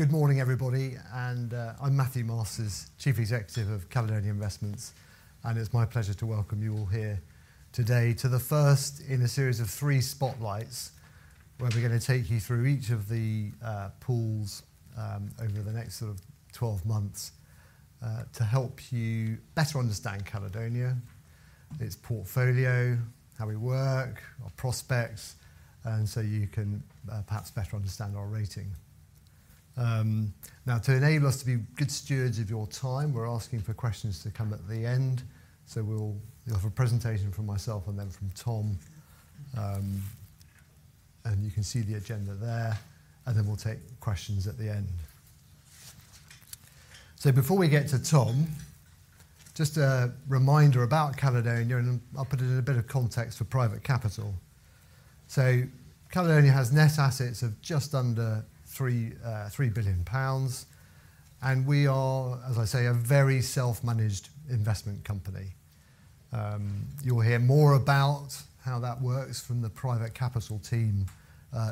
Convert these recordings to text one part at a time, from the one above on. Good morning, everybody. I'm Mathew Masters, Chief Executive of Caledonia Investments, and it's my pleasure to welcome you all here today to the first in a series of three spotlights where we're going to take you through each of the pools over the next sort of 12 months to help you better understand Caledonia, its portfolio, how we work, our prospects, and so you can perhaps better understand our rating. Now, to enable us to be good stewards of your time, we're asking for questions to come at the end. So we'll have a presentation from myself and then from Tom, and you can see the agenda there, and then we'll take questions at the end. So before we get to Tom, just a reminder about Caledonia, and I'll put it in a bit of context for private capital. Caledonia has net assets of just under 3 billion pounds, and we are, as I say, a very self-managed investment company. You'll hear more about how that works from the Private Capital team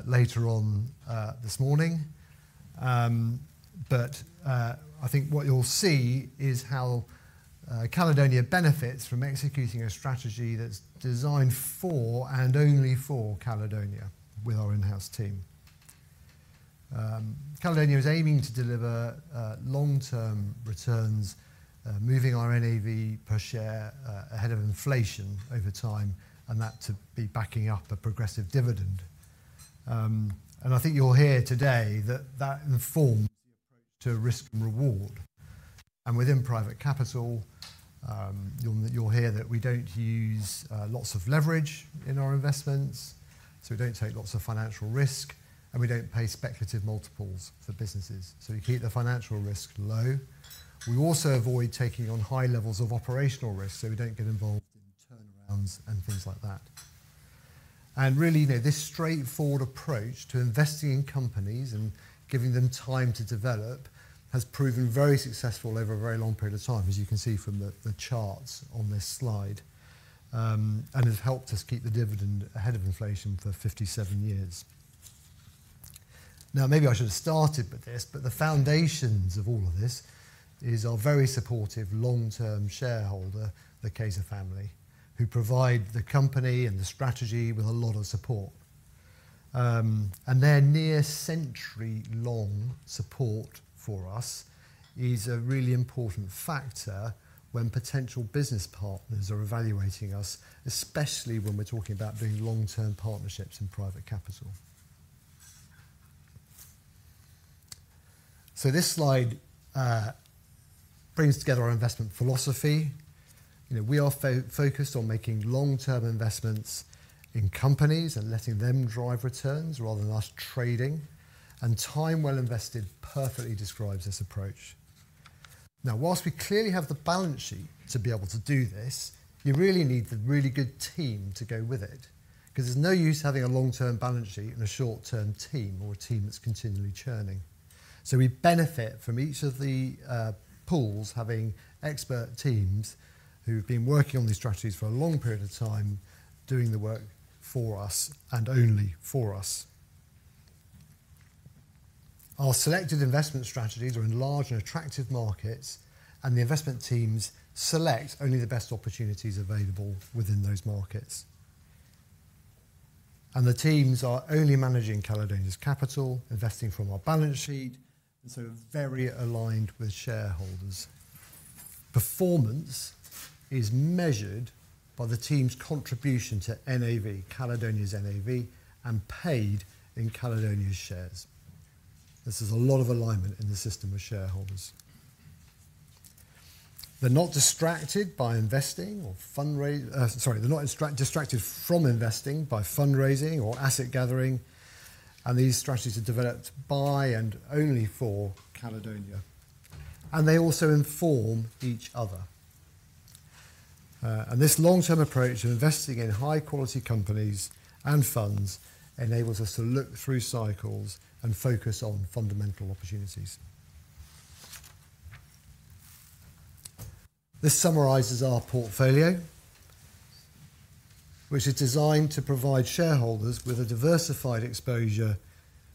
later on this morning, but I think what you'll see is how Caledonia benefits from executing a strategy that's designed for and only for Caledonia with our in-house team. Caledonia is aiming to deliver long-term returns, moving our NAV per share ahead of inflation over time, and that to be backing up a progressive dividend. I think you'll hear today that that informs the approach to risk and reward. Within private capital, you'll hear that we don't use lots of leverage in our investments, so we don't take lots of financial risk, and we don't pay speculative multiples for businesses, so we keep the financial risk low. We also avoid taking on high levels of operational risk, so we don't get involved in turnarounds and things like that, and really, this straightforward approach to investing in companies and giving them time to develop has proven very successful over a very long period of time, as you can see from the charts on this slide, and has helped us keep the dividend ahead of inflation for 57 years. Now, maybe I should have started with this, but the foundations of all of this is our very supportive long-term shareholder, the Cayzer family, who provide the company and the strategy with a lot of support, and their near-century-long support for us is a really important factor when potential business partners are evaluating us, especially when we're talking about doing long-term partnerships in private capital, so this slide brings together our investment philosophy. We are focused on making long-term investments in companies and letting them drive returns rather than us trading, and time well invested perfectly describes this approach. Now, whilst we clearly have the balance sheet to be able to do this, you really need the really good team to go with it because there's no use having a long-term balance sheet and a short-term team or a team that's continually churning, so we benefit from each of the pools having expert teams who have been working on these strategies for a long period of time, doing the work for us and only for us. Our selected investment strategies are in large and attractive markets, and the investment teams select only the best opportunities available within those markets, and the teams are only managing Caledonia's capital, investing from our balance sheet, and so very aligned with shareholders. Performance is measured by the team's contribution to NAV, Caledonia's NAV, and paid in Caledonia's shares. This is a lot of alignment in the system of shareholders. They're not distracted by investing or fundraising. Sorry, they're not distracted from investing by fundraising or asset gathering, and these strategies are developed by and only for Caledonia, and they also inform each other. This long-term approach of investing in high-quality companies and funds enables us to look through cycles and focus on fundamental opportunities. This summarizes our portfolio, which is designed to provide shareholders with a diversified exposure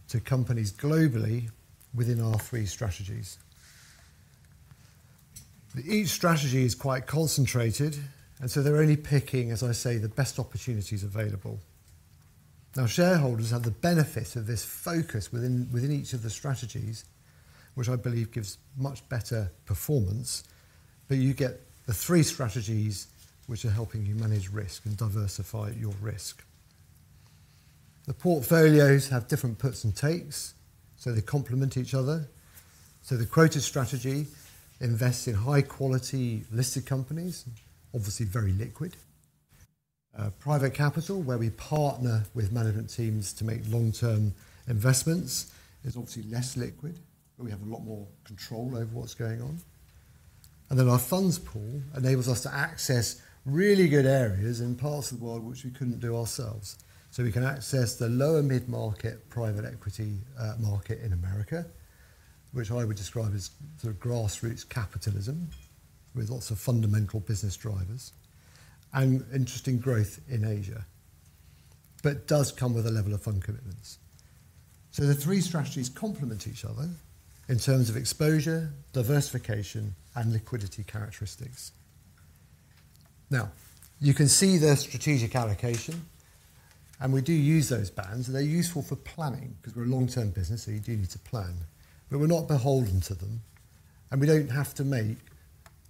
to companies globally within our three strategies. Each strategy is quite concentrated, and so they're only picking, as I say, the best opportunities available. Now, shareholders have the benefit of this focus within each of the strategies, which I believe gives much better performance, but you get the three strategies which are helping you manage risk and diversify your risk. The portfolios have different puts and takes, so they complement each other, so the quoted strategy invests in high-quality listed companies, obviously very liquid. Private Capital, where we partner with management teams to make long-term investments, is obviously less liquid, but we have a lot more control over what's going on, and then our funds pool enables us to access really good areas in parts of the world which we couldn't do ourselves, so we can access the lower mid-market private equity market in America, which I would describe as sort of grassroots capitalism with lots of fundamental business drivers and interesting growth in Asia, but does come with a level of fund commitments. The three strategies complement each other in terms of exposure, diversification, and liquidity characteristics. Now, you can see the strategic allocation, and we do use those bands, and they're useful for planning because we're a long-term business, so you do need to plan, but we're not beholden to them, and we don't have to make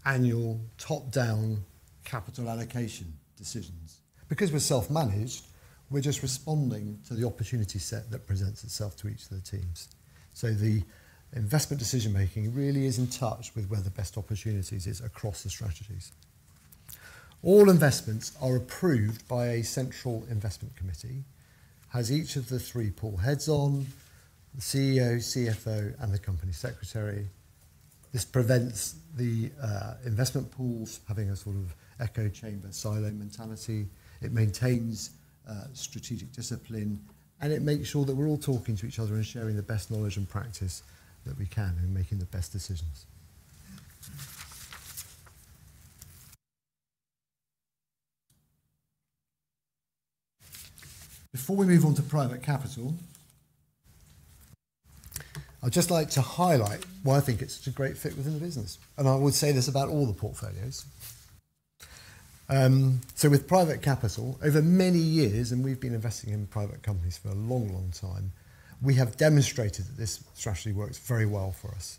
annual top-down capital allocation decisions. Because we're self-managed, we're just responding to the opportunity set that presents itself to each of the teams. The investment decision-making really is in touch with where the best opportunities are across the strategies. All investments are approved by a central investment committee, has each of the three pool heads on: the CEO, CFO, and the company secretary. This prevents the investment pools from having a sort of echo chamber, silo mentality. It maintains strategic discipline, and it makes sure that we're all talking to each other and sharing the best knowledge and practice that we can in making the best decisions. Before we move on to Private Capital, I'd just like to highlight why I think it's such a great fit within the business, and I would say this about all the portfolios, so with Private Capital, over many years, and we've been investing in private companies for a long, long time, we have demonstrated that this strategy works very well for us.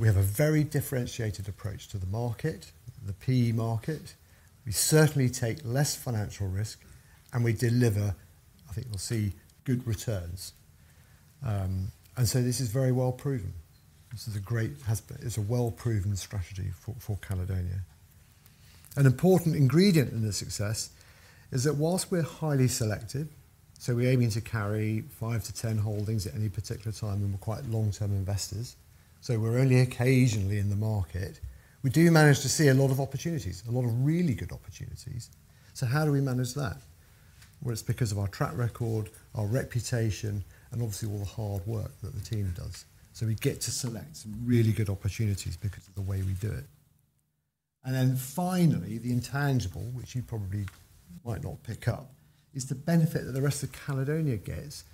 We have a very differentiated approach to the market, the PE market. We certainly take less financial risk, and we deliver, I think you'll see, good returns, and so this is very well proven. This is a great. It's a well-proven strategy for Caledonia. An important ingredient in the success is that whilst we're highly selected, so we're aiming to carry five to 10 holdings at any particular time, and we're quite long-term investors, so we're only occasionally in the market, we do manage to see a lot of opportunities, a lot of really good opportunities. So how do we manage that? Well, it's because of our track record, our reputation, and obviously all the hard work that the team does. So we get to select some really good opportunities because of the way we do it. And then finally, the intangible, which you probably might not pick up, is the benefit that the rest of Caledonia gets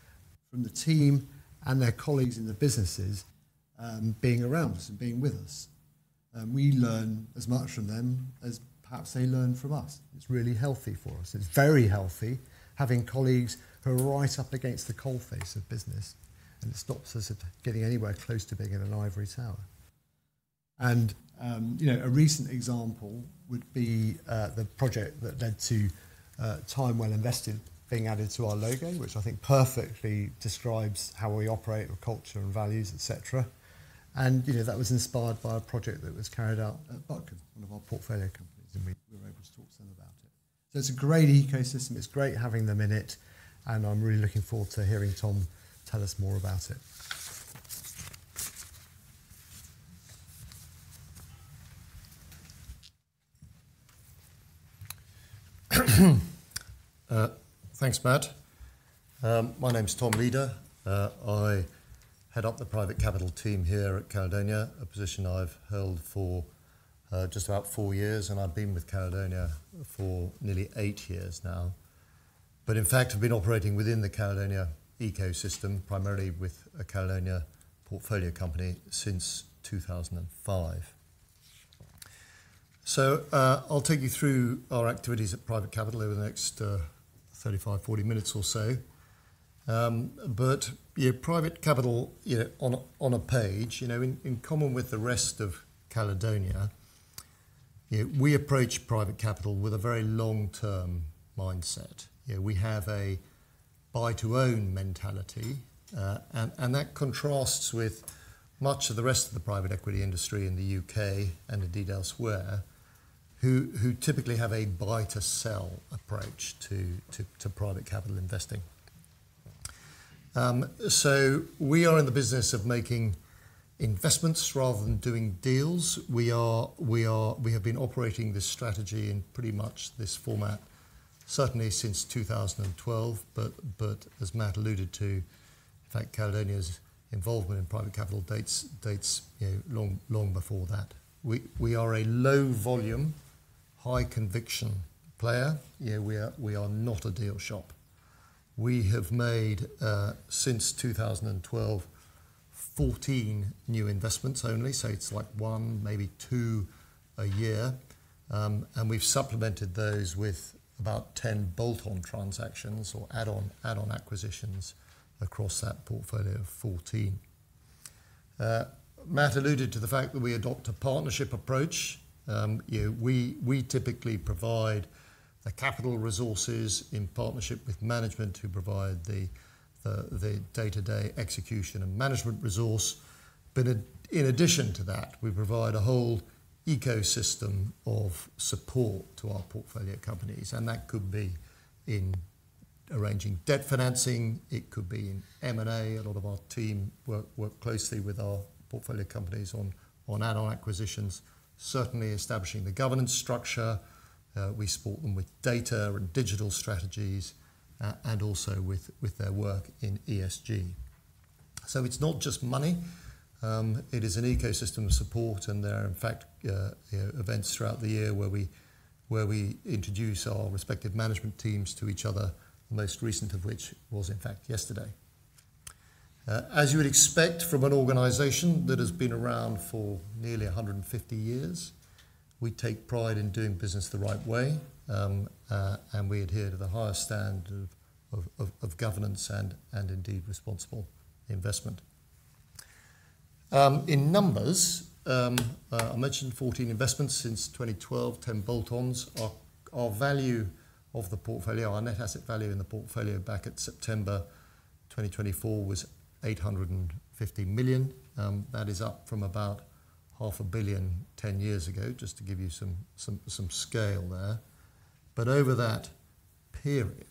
from the team and their colleagues in the businesses being around us and being with us. We learn as much from them as perhaps they learn from us. It's really healthy for us. It's very healthy having colleagues who are right up against the coalface of business, and it stops us getting anywhere close to being in an ivory tower. And a recent example would be the project that led to Time Well Invested being added to our logo, which I think perfectly describes how we operate, our culture, and values, etc. And that was inspired by a project that was carried out at Butcombe, one of our portfolio companies, and we were able to talk to them about it. So it's a great ecosystem. It's great having them in it, and I'm really looking forward to hearing Tom tell us more about it. Thanks, Mat. My name's Tom Leader. I head up the private capital team here at Caledonia, a position I've held for just about four years, and I've been with Caledonia for nearly eight years now. But in fact, I've been operating within the Caledonia ecosystem, primarily with a Caledonia portfolio company since 2005. So I'll take you through our activities at private capital over the next 35-40 minutes or so. But private capital on a page, in common with the rest of Caledonia, we approach private capital with a very long-term mindset. We have a buy-to-own mentality, and that contrasts with much of the rest of the private equity industry in the U.K. and indeed elsewhere, who typically have a buy-to-sell approach to private capital investing. So we are in the business of making investments rather than doing deals. We have been operating this strategy in pretty much this format, certainly since 2012, but as Mat alluded to, in fact, Caledonia's involvement in private capital dates long before that. We are a low-volume, high-conviction player. We are not a deal shop. We have made, since 2012, 14 new investments only, so it's like one, maybe two a year, and we've supplemented those with about 10 bolt-on transactions or add-on acquisitions across that portfolio of 14. Mat alluded to the fact that we adopt a partnership approach. We typically provide the capital resources in partnership with management to provide the day-to-day execution and management resource, but in addition to that, we provide a whole ecosystem of support to our portfolio companies, and that could be in arranging debt financing. It could be in M&A. A lot of our team work closely with our portfolio companies on add-on acquisitions, certainly establishing the governance structure. We support them with data and digital strategies and also with their work in ESG. So it's not just money. It is an ecosystem of support, and there are, in fact, events throughout the year where we introduce our respective management teams to each other, the most recent of which was, in fact, yesterday. As you would expect from an organization that has been around for nearly 150 years, we take pride in doing business the right way, and we adhere to the highest standard of governance and indeed responsible investment. In numbers, I mentioned 14 investments since 2012, 10 bolt-ons. Our value of the portfolio, our net asset value in the portfolio back at September 2024 was 850 million. That is up from about 500 million 10 years ago, just to give you some scale there. But over that period,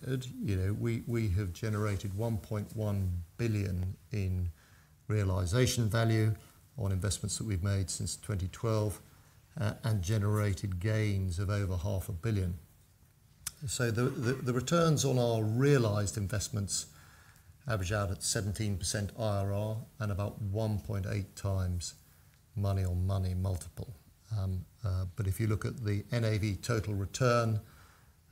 we have generated 1.1 billion in realization value on investments that we've made since 2012 and generated gains of over 500 million. So the returns on our realized investments average out at 17% IRR and about 1.8x money-on-money multiple. But if you look at the NAV total return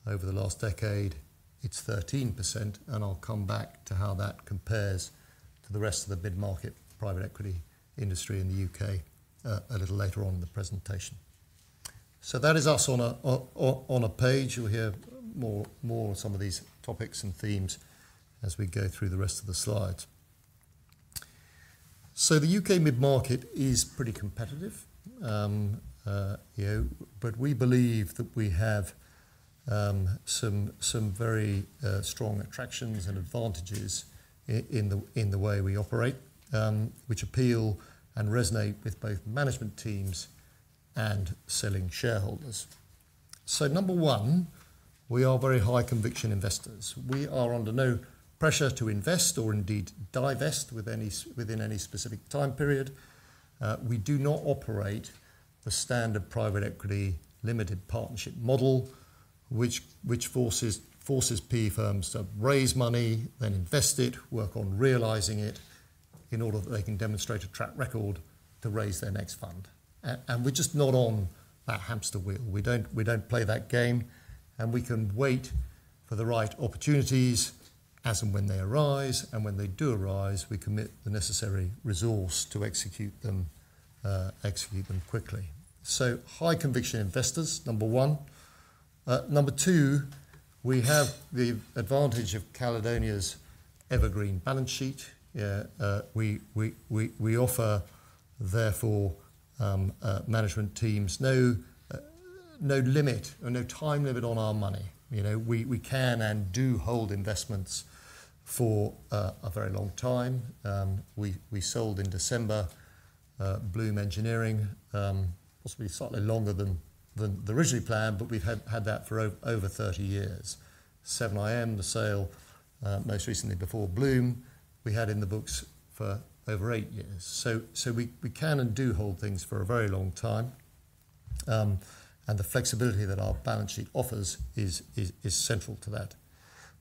over the last decade, it's 13%, and I'll come back to how that compares to the rest of the mid-market private equity industry in the U.K. a little later on in the presentation. So that is us on a page. You'll hear more of some of these topics and themes as we go through the rest of the slides. The U.K. mid-market is pretty competitive, but we believe that we have some very strong attractions and advantages in the way we operate, which appeal and resonate with both management teams and selling shareholders. Number one, we are very high-conviction investors. We are under no pressure to invest or indeed divest within any specific time period. We do not operate the standard private equity limited partnership model, which forces PE firms to raise money, then invest it, work on realizing it in order that they can demonstrate a track record to raise their next fund. We're just not on that hamster wheel. We don't play that game, and we can wait for the right opportunities as and when they arise, and when they do arise, we commit the necessary resource to execute them quickly. High-conviction investors, number one. Number two, we have the advantage of Caledonia's evergreen balance sheet. We offer, therefore, management teams no limit or no time limit on our money. We can and do hold investments for a very long time. We sold in December Bloom Engineering, possibly slightly longer than the originally planned, but we've had that for over 30 years. 7IM, the sale, most recently before Bloom, we had in the books for over eight years. So we can and do hold things for a very long time, and the flexibility that our balance sheet offers is central to that.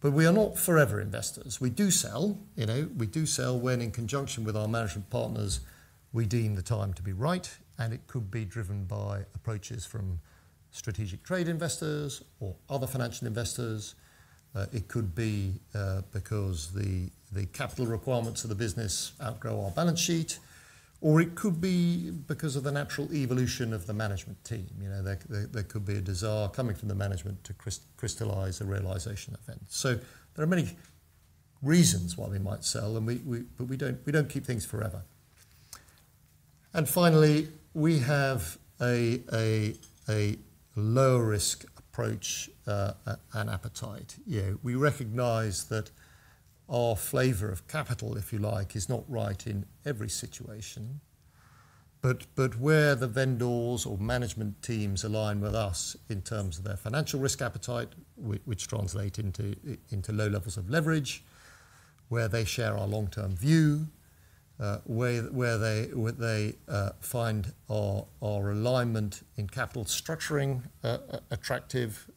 But we are not forever investors. We do sell. We do sell when, in conjunction with our management partners, we deem the time to be right, and it could be driven by approaches from strategic trade investors or other financial investors. It could be because the capital requirements of the business outgrow our balance sheet, or it could be because of the natural evolution of the management team. There could be a desire coming from the management to crystallize a realization event. So there are many reasons why we might sell, but we don't keep things forever. And finally, we have a low-risk approach and appetite. We recognize that our flavor of capital, if you like, is not right in every situation, but where the vendors or management teams align with us in terms of their financial risk appetite, which translates into low levels of leverage, where they share our long-term view, where they find our alignment in capital structuring attractive.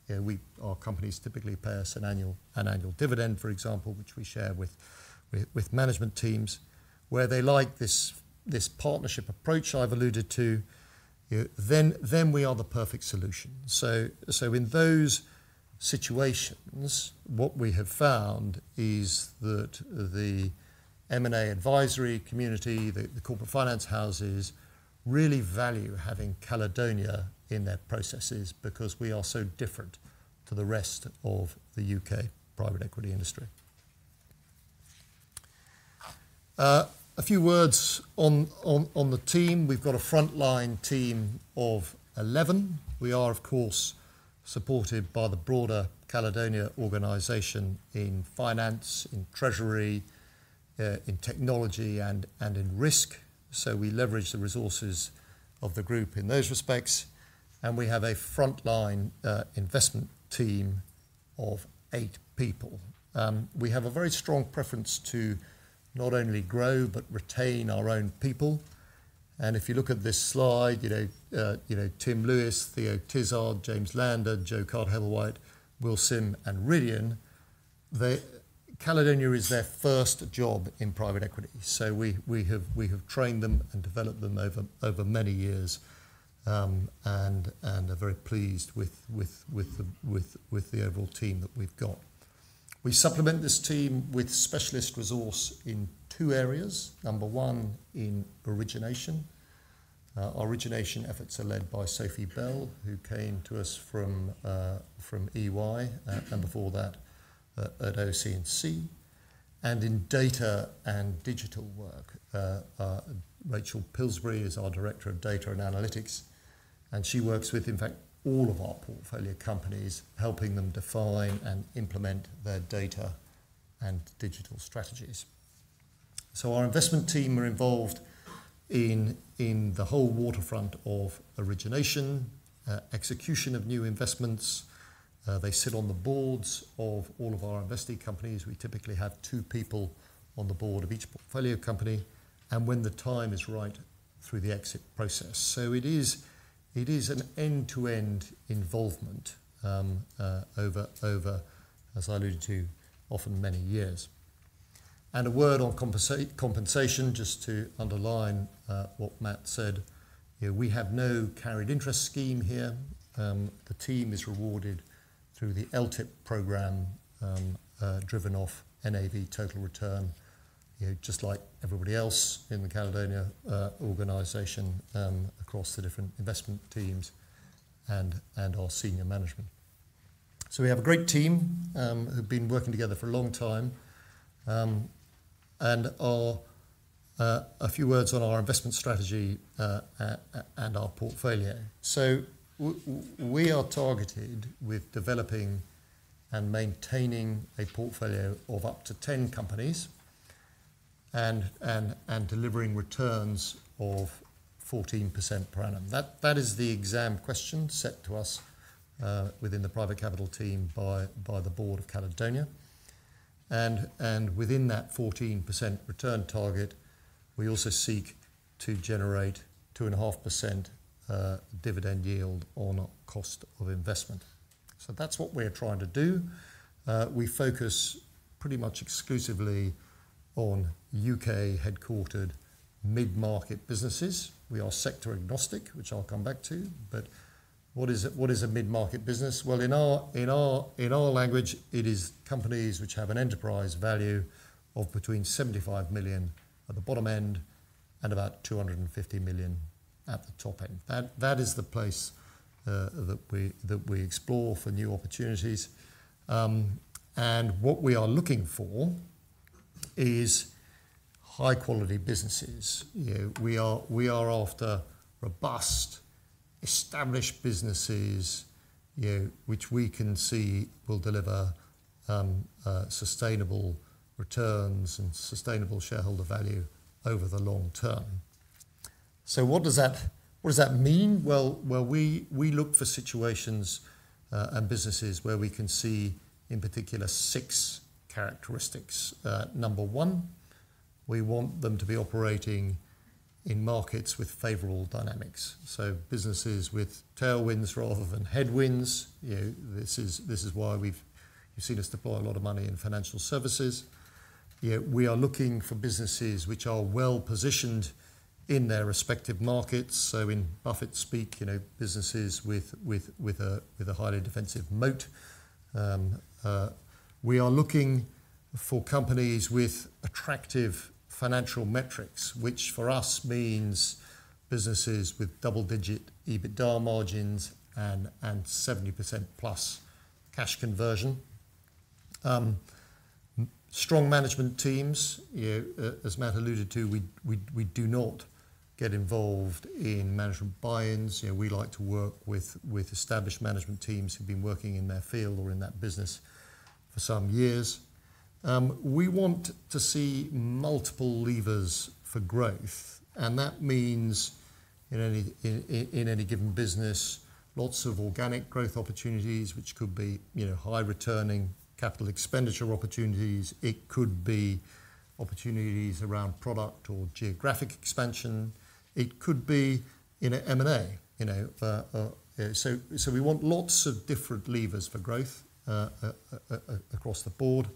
Our companies typically pay us an annual dividend, for example, which we share with management teams. Where they like this partnership approach I've alluded to, then we are the perfect solution. So in those situations, what we have found is that the M&A advisory community, the corporate finance houses, really value having Caledonia in their processes because we are so different to the rest of the U.K. private equity industry. A few words on the team. We've got a frontline team of 11. We are, of course, supported by the broader Caledonia organization in finance, in treasury, in technology, and in risk. So we leverage the resources of the group in those respects, and we have a frontline investment team of eight people. We have a very strong preference to not only grow but retain our own people. And if you look at this slide, Tim Lewis, Theo Tizard, James Lander, Joe Carter-Hamer, Will Sim, and Rhydian, Caledonia is their first job in private equity. We have trained them and developed them over many years and are very pleased with the overall team that we've got. We supplement this team with specialist resource in two areas. Number one, in origination. Our origination efforts are led by Sophie Bell, who came to us from EY, and before that, at OC&C. In data and digital work, Rachel Pillsbury is our Director of Data and Analytics, and she works with, in fact, all of our portfolio companies, helping them define and implement their data and digital strategies. Our investment team are involved in the whole waterfront of origination, execution of new investments. They sit on the Boards of all of our investing companies. We typically have two people on the Board of each portfolio company and when the time is right through the exit process. It is an end-to-end involvement over, as I alluded to, often many years. And a word on compensation, just to underline what Mat said. We have no carried interest scheme here. The team is rewarded through the LTIP program driven off NAV total return, just like everybody else in the Caledonia organization across the different investment teams and our senior management. We have a great team who've been working together for a long time. And a few words on our investment strategy and our portfolio. We are targeted with developing and maintaining a portfolio of up to 10 companies and delivering returns of 14% per annum. That is the exam question set to us within the Private Capital team by the Board of Caledonia. And within that 14% return target, we also seek to generate 2.5% dividend yield on cost of investment. That's what we're trying to do. We focus pretty much exclusively on U.K. headquartered mid-market businesses. We are sector agnostic, which I'll come back to. What is a mid-market business? In our language, it is companies which have an enterprise value of between 75 million at the bottom end and about 250 million at the top end. That is the place that we explore for new opportunities. What we are looking for is high-quality businesses. We are after robust, established businesses which we can see will deliver sustainable returns and sustainable shareholder value over the long term. What does that mean? We look for situations and businesses where we can see, in particular, six characteristics. Number one, we want them to be operating in markets with favorable dynamics. Businesses with tailwinds rather than headwinds. This is why you've seen us deploy a lot of money in financial services. We are looking for businesses which are well-positioned in their respective markets. So in Buffett's speak, businesses with a highly defensive moat. We are looking for companies with attractive financial metrics, which for us means businesses with double-digit EBITDA margins and 70%+ cash conversion. Strong management teams. As Mat alluded to, we do not get involved in management buy-ins. We like to work with established management teams who've been working in their field or in that business for some years. We want to see multiple levers for growth, and that means in any given business, lots of organic growth opportunities, which could be high-returning capital expenditure opportunities. It could be opportunities around product or geographic expansion. It could be in an M&A. So we want lots of different levers for growth across the board.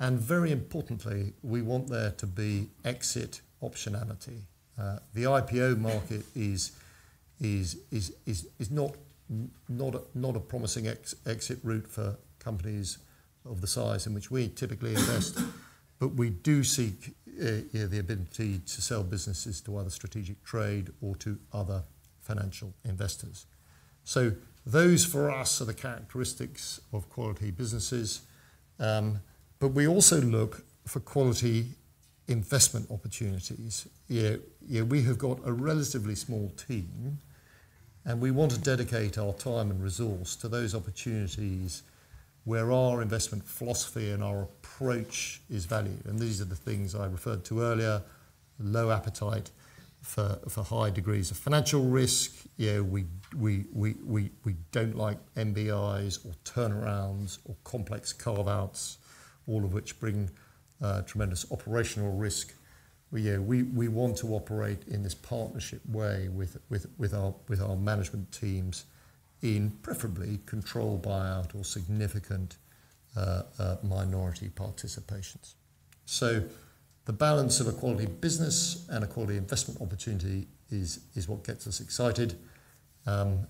Very importantly, we want there to be exit optionality. The IPO market is not a promising exit route for companies of the size in which we typically invest, but we do seek the ability to sell businesses to either strategic trade or to other financial investors. Those for us are the characteristics of quality businesses. We also look for quality investment opportunities. We have got a relatively small team, and we want to dedicate our time and resource to those opportunities where our investment philosophy and our approach is valued. These are the things I referred to earlier, low appetite for high degrees of financial risk. We don't like MBIs or turnarounds or complex carve-outs, all of which bring tremendous operational risk. We want to operate in this partnership way with our management teams in preferably controlled buyout or significant minority participations. The balance of a quality business and a quality investment opportunity is what gets us excited, and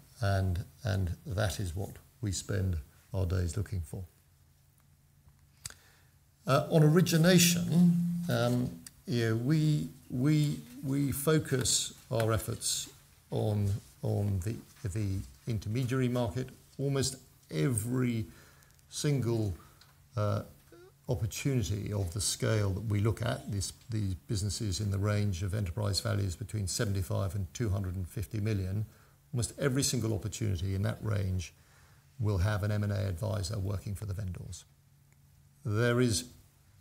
that is what we spend our days looking for. On origination, we focus our efforts on the intermediary market. Almost every single opportunity of the scale that we look at, these businesses in the range of enterprise values between 75 million and 250 million, almost every single opportunity in that range will have an M&A advisor working for the vendors.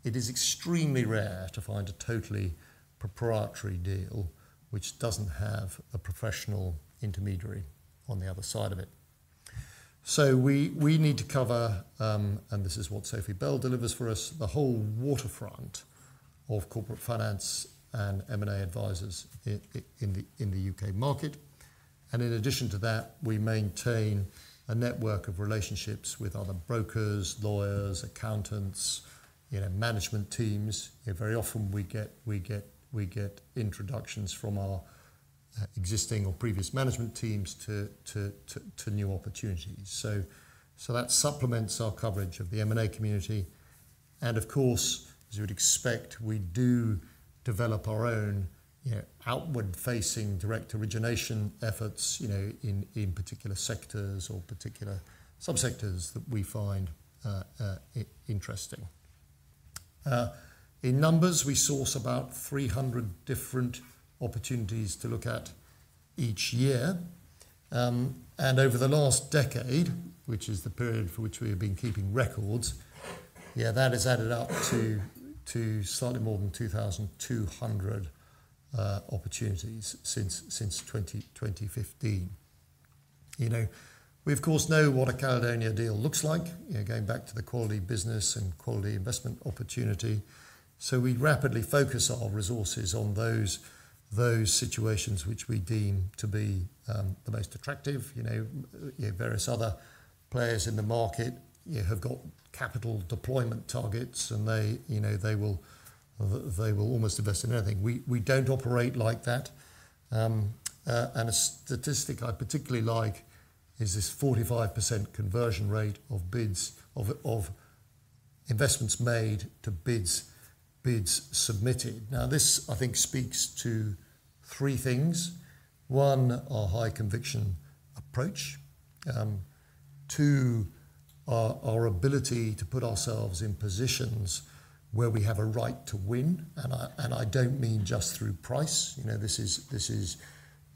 It is extremely rare to find a totally proprietary deal which doesn't have a professional intermediary on the other side of it. We need to cover, and this is what Sophie Bell delivers for us, the whole waterfront of corporate finance and M&A advisors in the U.K. market. In addition to that, we maintain a network of relationships with other brokers, lawyers, accountants, management teams. Very often, we get introductions from our existing or previous management teams to new opportunities, so that supplements our coverage of the M&A community, and of course, as you would expect, we do develop our own outward-facing direct origination efforts in particular sectors or particular subsectors that we find interesting. In numbers, we source about 300 different opportunities to look at each year, and over the last decade, which is the period for which we have been keeping records, that has added up to slightly more than 2,200 opportunities since 2015. We, of course, know what a Caledonia deal looks like, going back to the quality business and quality investment opportunity, so we rapidly focus our resources on those situations which we deem to be the most attractive. Various other players in the market have got capital deployment targets, and they will almost invest in anything. We don't operate like that, and a statistic I particularly like is this 45% conversion rate of investments made to bids submitted. Now, this, I think, speaks to three things. One, our high conviction approach. Two, our ability to put ourselves in positions where we have a right to win, and I don't mean just through price. This is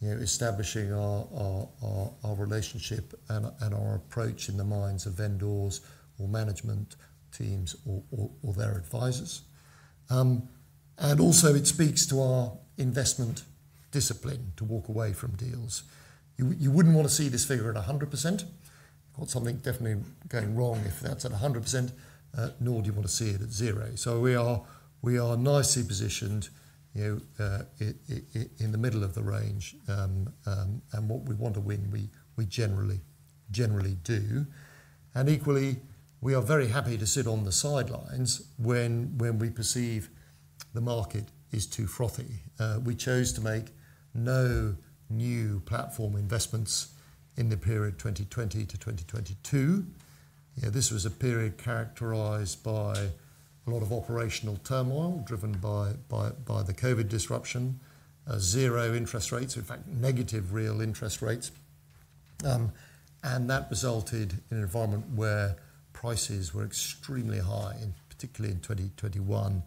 establishing our relationship and our approach in the minds of vendors or management teams or their advisors, and also, it speaks to our investment discipline to walk away from deals. You wouldn't want to see this figure at 100%. You've got something definitely going wrong if that's at 100%, nor do you want to see it at zero. So we are nicely positioned in the middle of the range, and what we want to win, we generally do. And equally, we are very happy to sit on the sidelines when we perceive the market is too frothy. We chose to make no new platform investments in the period 2020 to 2022. This was a period characterized by a lot of operational turmoil driven by the COVID disruption, zero interest rates, in fact, negative real interest rates. And that resulted in an environment where prices were extremely high, particularly in 2021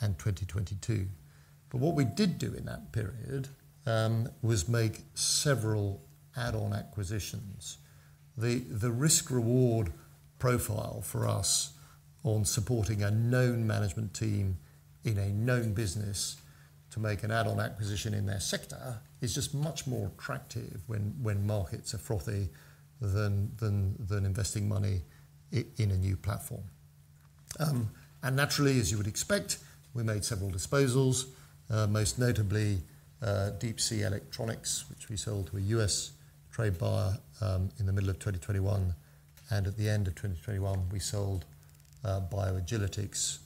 and 2022. But what we did do in that period was make several add-on acquisitions. The risk-reward profile for us on supporting a known management team in a known business to make an add-on acquisition in their sector is just much more attractive when markets are frothy than investing money in a new platform. Naturally, as you would expect, we made several disposals, most notably Deep Sea Electronics, which we sold to a U.S. trade buyer in the middle of 2021. At the end of 2021, we sold BioAgilytix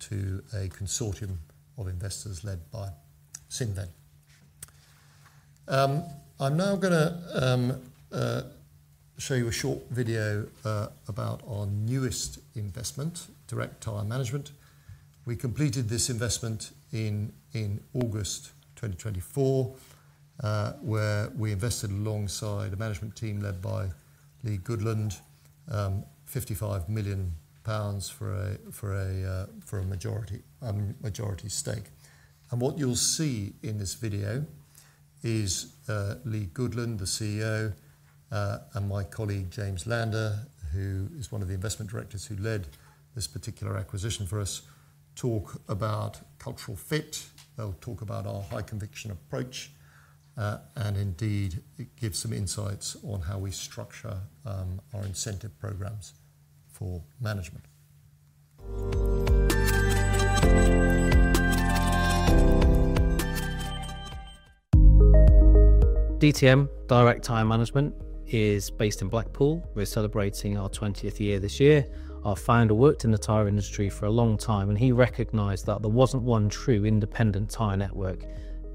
to a consortium of investors led by Cinven. I'm now going to show you a short video about our newest investment, Direct Tyre Management. We completed this investment in August 2024, where we invested alongside a management team led by Leigh Goodland, 55 million pounds for a majority stake. What you'll see in this video is Leigh Goodland, the CEO, and my colleague, James Lander, who is one of the investment directors who led this particular acquisition for us, talk about cultural fit. They'll talk about our high conviction approach. Indeed, it gives some insights on how we structure our incentive programs for management. DTM, Direct Tyre Management, is based in Blackpool. We're celebrating our 20th year this year. Our founder worked in the tire industry for a long time, and he recognized that there wasn't one true independent tire network.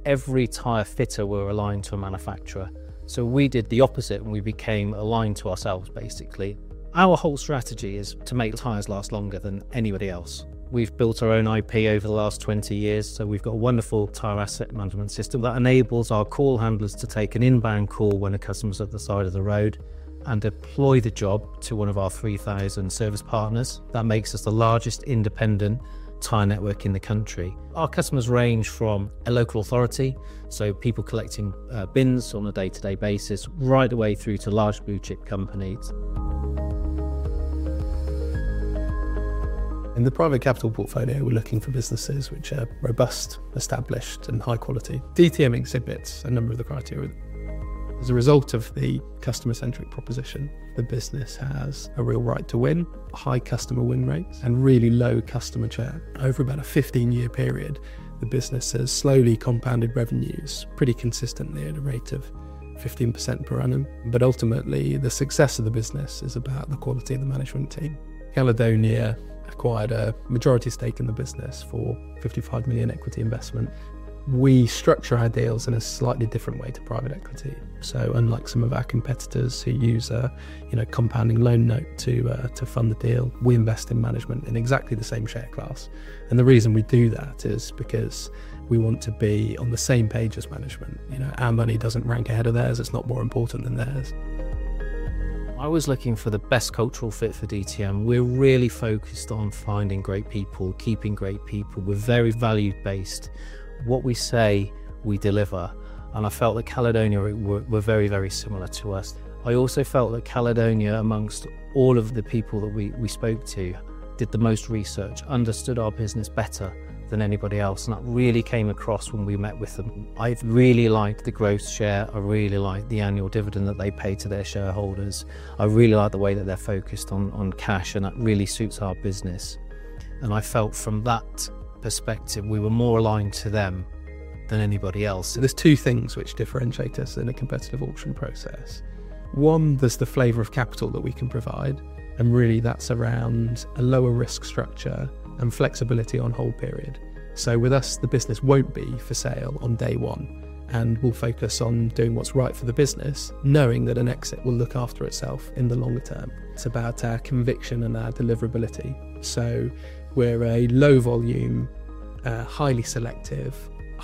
Every tire fitter were aligned to a manufacturer. So we did the opposite, and we became aligned to ourselves, basically. Our whole strategy is to make tires last longer than anybody else. We've built our own IP over the last 20 years. So we've got a wonderful tire asset management system that enables our call handlers to take an inbound call when a customer's at the side of the road and deploy the job to one of our 3,000 service partners. That makes us the largest independent tire network in the country. Our customers range from a local authority, so people collecting bins on a day-to-day basis, right away through to large blue-chip companies. In the private capital portfolio, we're looking for businesses which are robust, established, and high quality. DTM exhibits a number of the criteria. As a result of the customer-centric proposition, the business has a real right to win, high customer win rates, and really low customer churn. Over about a 15-year period, the business has slowly compounded revenues pretty consistently at a rate of 15% per annum. But ultimately, the success of the business is about the quality of the management team. Caledonia acquired a majority stake in the business for 55 million equity investment. We structure our deals in a slightly different way to private equity. So unlike some of our competitors who use a compounding loan note to fund the deal, we invest in management in exactly the same share class. The reason we do that is because we want to be on the same page as management. Our money doesn't rank ahead of theirs. It's not more important than theirs. I was looking for the best cultural fit for DTM. We're really focused on finding great people, keeping great people. We're very value-based. What we say, we deliver. I felt that Caledonia were very, very similar to us. I also felt that Caledonia, amongst all of the people that we spoke to, did the most research, understood our business better than anybody else. That really came across when we met with them. I really liked the growth share. I really liked the annual dividend that they pay to their shareholders. I really liked the way that they're focused on cash, and that really suits our business. I felt from that perspective, we were more aligned to them than anybody else. There's two things which differentiate us in a competitive auction process. One, there's the flavor of capital that we can provide. And really, that's around a lower risk structure and flexibility on hold period. So with us, the business won't be for sale on day one. And we'll focus on doing what's right for the business, knowing that an exit will look after itself in the longer term. It's about our conviction and our deliverability. So we're a low-volume, highly selective,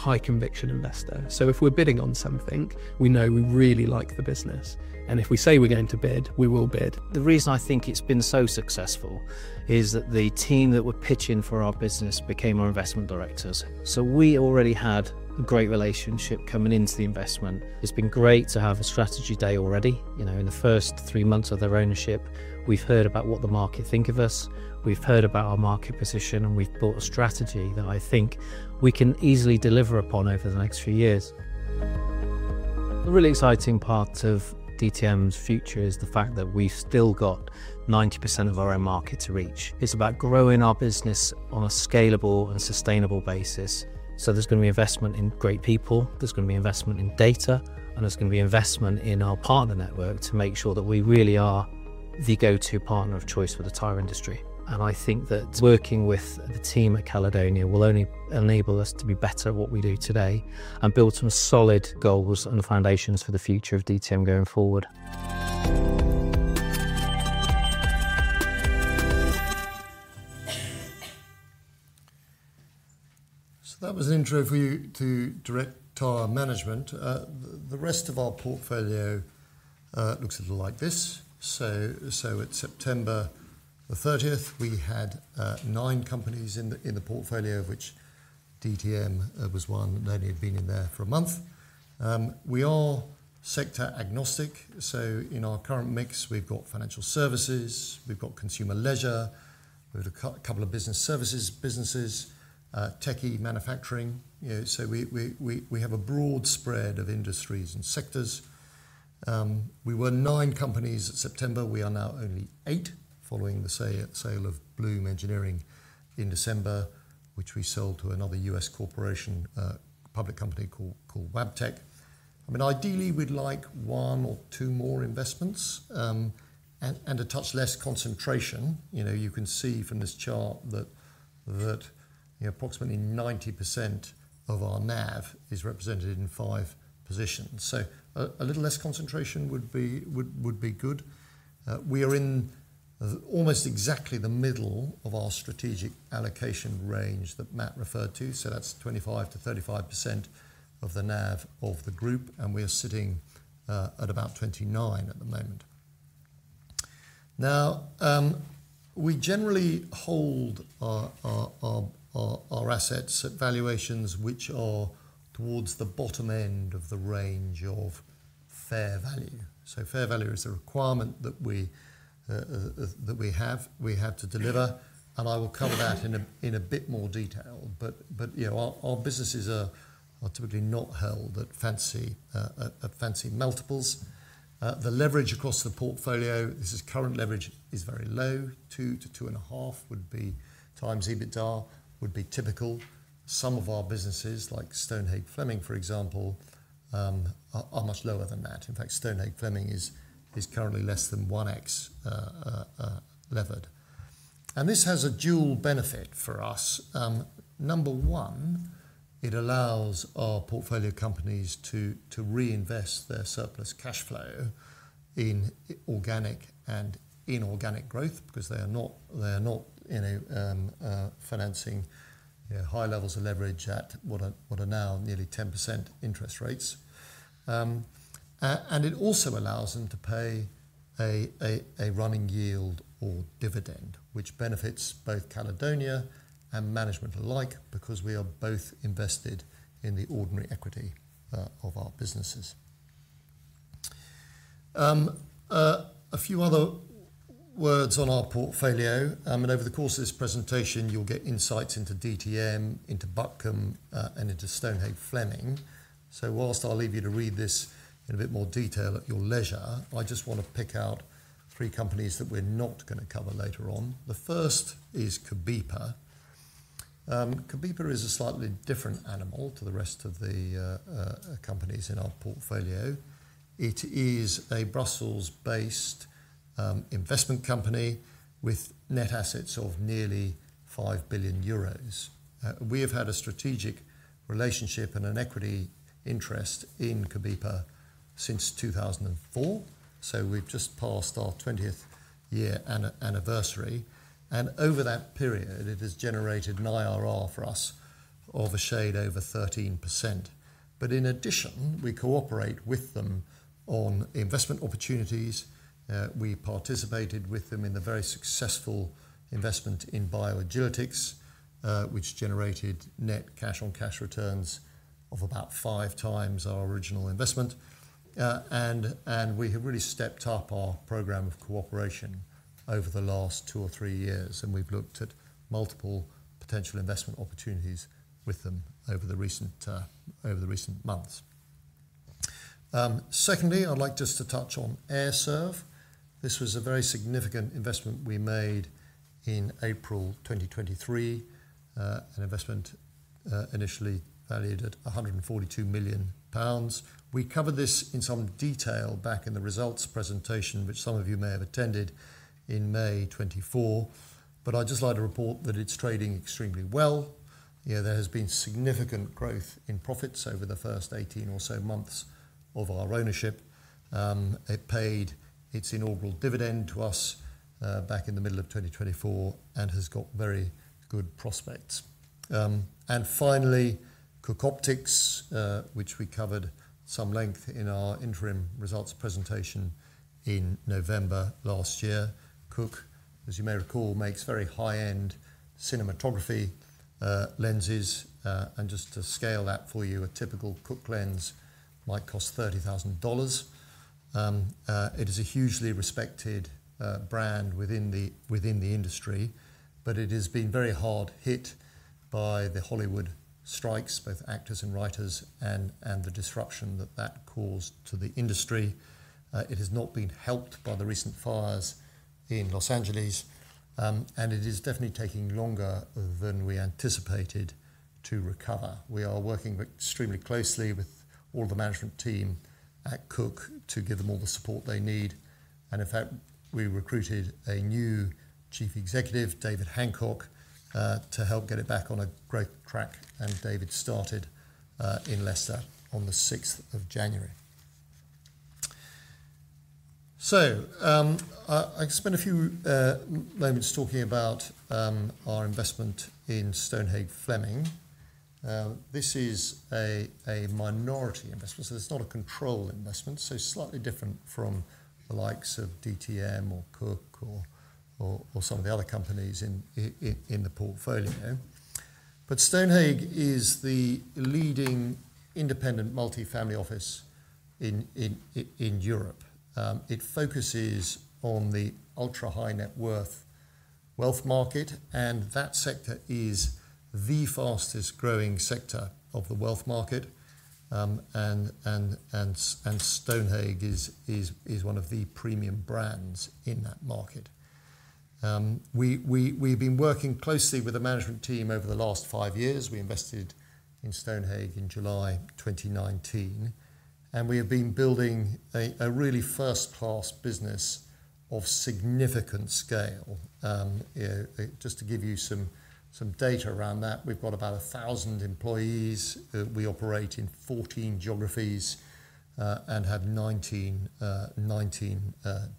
high-conviction investor. So if we're bidding on something, we know we really like the business. And if we say we're going to bid, we will bid. The reason I think it's been so successful is that the team that were pitching for our business became our investment directors. We already had a great relationship coming into the investment. It's been great to have a strategy day already. In the first three months of their ownership, we've heard about what the market thinks of us. We've heard about our market position, and we've built a strategy that I think we can easily deliver upon over the next few years. The really exciting part of DTM's future is the fact that we've still got 90% of our own market to reach. It's about growing our business on a scalable and sustainable basis. So there's going to be investment in great people. There's going to be investment in data. And there's going to be investment in our partner network to make sure that we really are the go-to partner of choice for the tire industry. I think that working with the team at Caledonia will only enable us to be better at what we do today and build some solid goals and foundations for the future of DTM going forward. So that was an intro for you to Direct Tyre Management. The rest of our portfolio looks a little like this. So at September 30th, we had nine companies in the portfolio, which DTM was one that only had been in there for a month. We are sector agnostic. So in our current mix, we've got financial services. We've got consumer leisure. We've got a couple of business services businesses, techie, manufacturing. So we have a broad spread of industries and sectors. We were nine companies at September. We are now only eight, following the sale of Bloom Engineering in December, which we sold to another U.S. corporation, a public company called Wabtec. I mean, ideally, we'd like one or two more investments and a touch less concentration. You can see from this chart that approximately 90% of our NAV is represented in five positions. So a little less concentration would be good. We are in almost exactly the middle of our strategic allocation range that Mat referred to. So that's 25%-35% of the NAV of the group, and we are sitting at about 29% at the moment. Now, we generally hold our assets at valuations which are towards the bottom end of the range of fair value. So fair value is a requirement that we have to deliver. And I will cover that in a bit more detail, but our businesses are typically not held at fancy multiples. The leverage across the portfolio, this is current leverage, is very low. 2x-2.5x EBITDA would be typical. Some of our businesses, like Stonehage Fleming, for example, are much lower than that. In fact, Stonehage Fleming is currently less than 1x levered, and this has a dual benefit for us. Number one, it allows our portfolio companies to reinvest their surplus cash flow in organic and inorganic growth because they are not financing high levels of leverage at what are now nearly 10% interest rates, and it also allows them to pay a running yield or dividend, which benefits both Caledonia and management alike because we are both invested in the ordinary equity of our businesses. A few other words on our portfolio, and over the course of this presentation, you'll get insights into DTM, into Butcombe, and into Stonehage Fleming. Whilst I'll leave you to read this in a bit more detail at your leisure, I just want to pick out three companies that we're not going to cover later on. The first is Cobepa. Cobepa is a slightly different animal to the rest of the companies in our portfolio. It is a Brussels-based investment company with net assets of nearly 5 billion euros. We have had a strategic relationship and an equity interest in Cobepa since 2004. So we've just passed our 20th year anniversary. And over that period, it has generated an IRR for us of a shade over 13%. But in addition, we cooperate with them on investment opportunities. We participated with them in the very successful investment in BioAgilytix, which generated net cash-on-cash returns of about 5x our original investment. We have really stepped up our program of cooperation over the last two or three years. And we've looked at multiple potential investment opportunities with them over the recent months. Secondly, I'd like just to touch on AIR-serv. This was a very significant investment we made in April 2023, an investment initially valued at 142 million pounds. We covered this in some detail back in the results presentation, which some of you may have attended in May 2024. But I'd just like to report that it's trading extremely well. There has been significant growth in profits over the first 18 or so months of our ownership. It paid its inaugural dividend to us back in the middle of 2024 and has got very good prospects. And finally, Cooke Optics, which we covered some length in our interim results presentation in November last year. Cooke, as you may recall, makes very high-end cinematography lenses. Just to scale that for you, a typical Cooke lens might cost $30,000. It is a hugely respected brand within the industry, but it has been very hard hit by the Hollywood strikes, both actors and writers, and the disruption that that caused to the industry. It has not been helped by the recent fires in Los Angeles. It is definitely taking longer than we anticipated to recover. We are working extremely closely with all the management team at Cooke to give them all the support they need. In fact, we recruited a new Chief Executive, David Hancock, to help get it back on a great track. David started in Leicester on the 6th of January. I spent a few moments talking about our investment in Stonehage Fleming. This is a minority investment. It's not a controlled investment. It's slightly different from the likes of DTM or Cooke or some of the other companies in the portfolio. Stonehage is the leading independent multifamily office in Europe. It focuses on the ultra-high net worth wealth market. That sector is the fastest growing sector of the wealth market. Stonehage is one of the premium brands in that market. We've been working closely with the management team over the last five years. We invested in Stonehage in July 2019. We have been building a really first-class business of significant scale. Just to give you some data around that, we've got about 1,000 employees. We operate in 14 geographies and have 19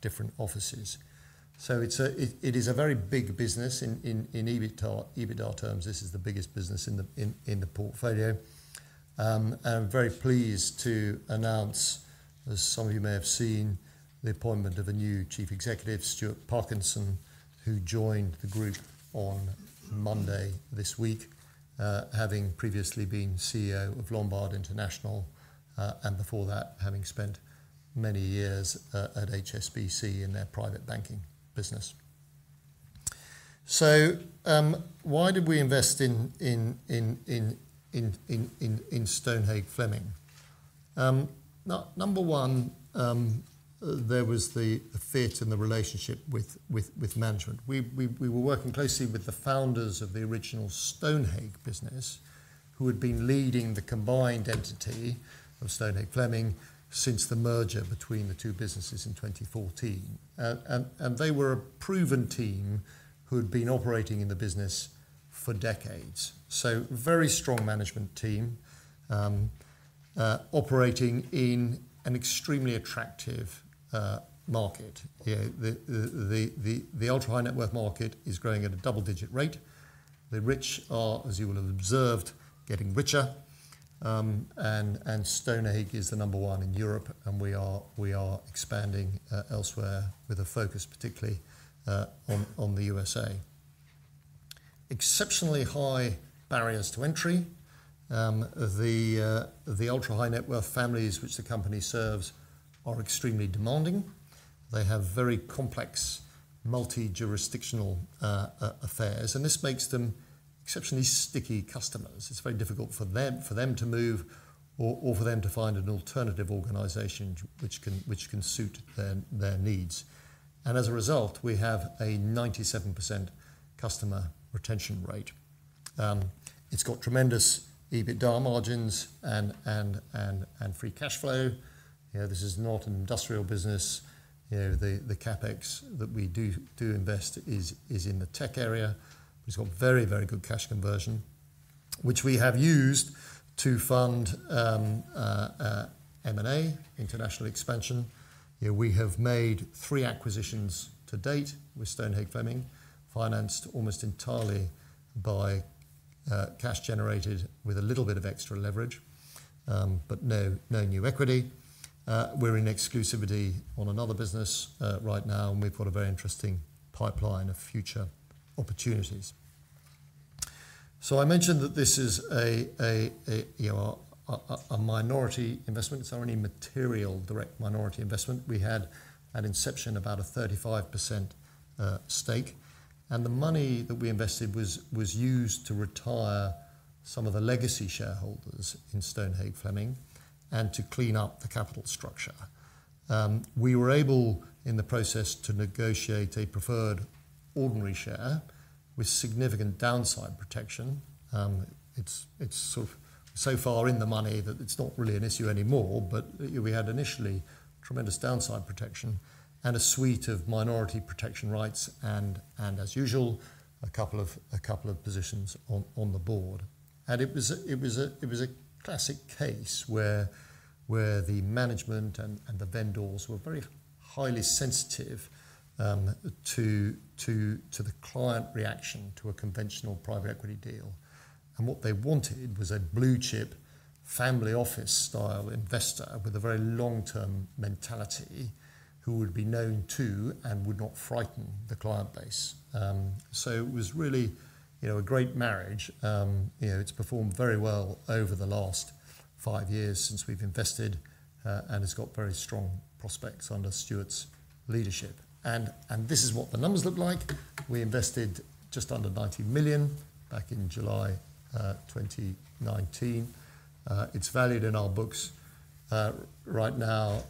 different offices. It is a very big business. In EBITDA terms, this is the biggest business in the portfolio. I'm very pleased to announce, as some of you may have seen, the appointment of a new Chief Executive, Stuart Parkinson, who joined the group on Monday this week, having previously been CEO of Lombard International and before that, having spent many years at HSBC in their private banking business. Why did we invest in Stonehage Fleming? Number one, there was the fit and the relationship with management. We were working closely with the founders of the original Stonehage business, who had been leading the combined entity of Stonehage Fleming since the merger between the two businesses in 2014. They were a proven team who had been operating in the business for decades. Very strong management team operating in an extremely attractive market. The ultra-high net worth market is growing at a double-digit rate. The rich are, as you will have observed, getting richer. Stonehage Fleming is the number one in Europe. We are expanding elsewhere with a focus particularly on the U.S.A. Exceptionally high barriers to entry. The ultra-high net worth families which the company serves are extremely demanding. They have very complex multi-jurisdictional affairs. This makes them exceptionally sticky customers. It's very difficult for them to move or for them to find an alternative organization which can suit their needs. As a result, we have a 97% customer retention rate. It's got tremendous EBITDA margins and free cash flow. This is not an industrial business. The CapEx that we do invest is in the tech area. It's got very, very good cash conversion, which we have used to fund M&A, international expansion. We have made three acquisitions to date with Stonehage Fleming, financed almost entirely by cash generated with a little bit of extra leverage, but no new equity. We're in exclusivity on another business right now. And we've got a very interesting pipeline of future opportunities. So I mentioned that this is a minority investment. It's not any material direct minority investment. We had, at inception, about a 35% stake. And the money that we invested was used to retire some of the legacy shareholders in Stonehage Fleming and to clean up the capital structure. We were able, in the process, to negotiate a preferred ordinary share with significant downside protection. It's sort of so far in the money that it's not really an issue anymore. But we had initially tremendous downside protection and a suite of minority protection rights and, as usual, a couple of positions on the board. And it was a classic case where the management and the vendors were very highly sensitive to the client reaction to a conventional private equity deal. What they wanted was a blue chip family office style investor with a very long-term mentality who would be known to and would not frighten the client base. So it was really a great marriage. It's performed very well over the last five years since we've invested. And it's got very strong prospects under Stuart's leadership. And this is what the numbers look like. We invested just under 90 million back in July 2019. It's valued in our books right now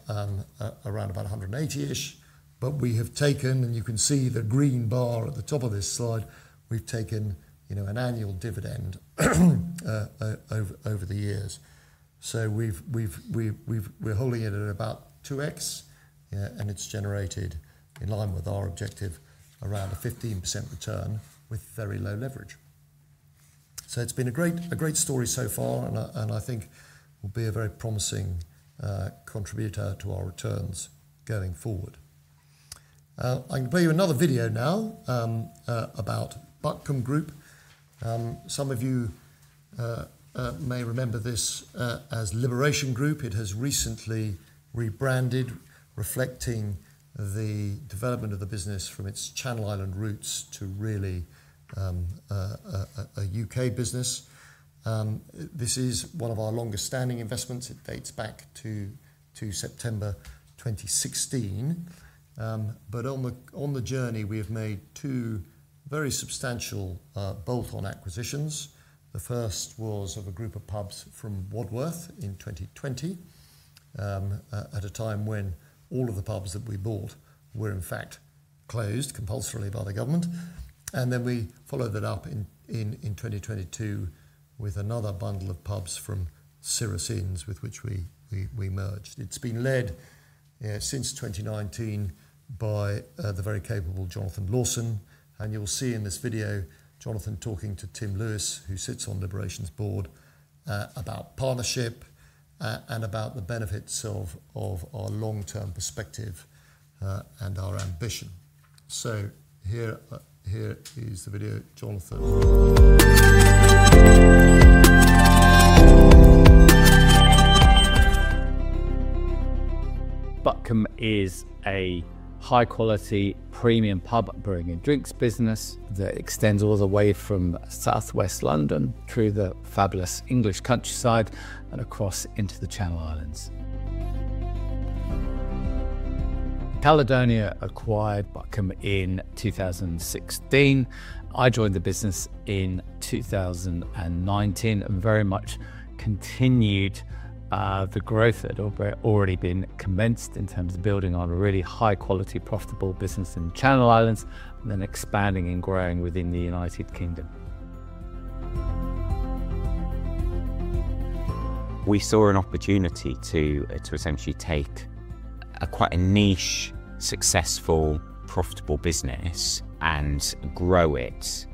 around about 180 million-ish. But we have taken, and you can see the green bar at the top of this slide, we've taken an annual dividend over the years. So we're holding it at about 2x. And it's generated, in line with our objective, around a 15% return with very low leverage. So it's been a great story so far. I think it will be a very promising contributor to our returns going forward. I can play you another video now about Butcombe Group. Some of you may remember this as Liberation Group. It has recently rebranded, reflecting the development of the business from its Channel Islands roots to really a U.K. business. This is one of our longest-standing investments. It dates back to September 2016. On the journey, we have made two very substantial bolt-on acquisitions. The first was of a group of pubs from Wadworth in 2020 at a time when all of the pubs that we bought were, in fact, closed compulsorily by the government. Then we followed that up in 2022 with another bundle of pubs from Cirrus Inns with which we merged. It's been led since 2019 by the very capable Jonathan Lawson. You'll see in this video Jonathan talking to Tim Lewis, who sits on Liberation's Board, about partnership and about the benefits of our long-term perspective and our ambition. Here is the video Jonathan will. Butcombe is a high-quality premium pub-brewing and drinks business that extends all the way from South West London through the fabulous English countryside and across into the Channel Islands. Caledonia acquired Butcombe in 2016. I joined the business in 2019 and very much continued the growth that had already been commenced in terms of building on a really high-quality, profitable business in the Channel Islands and then expanding and growing within the United Kingdom. We saw an opportunity to essentially take quite a niche, successful, profitable business and grow it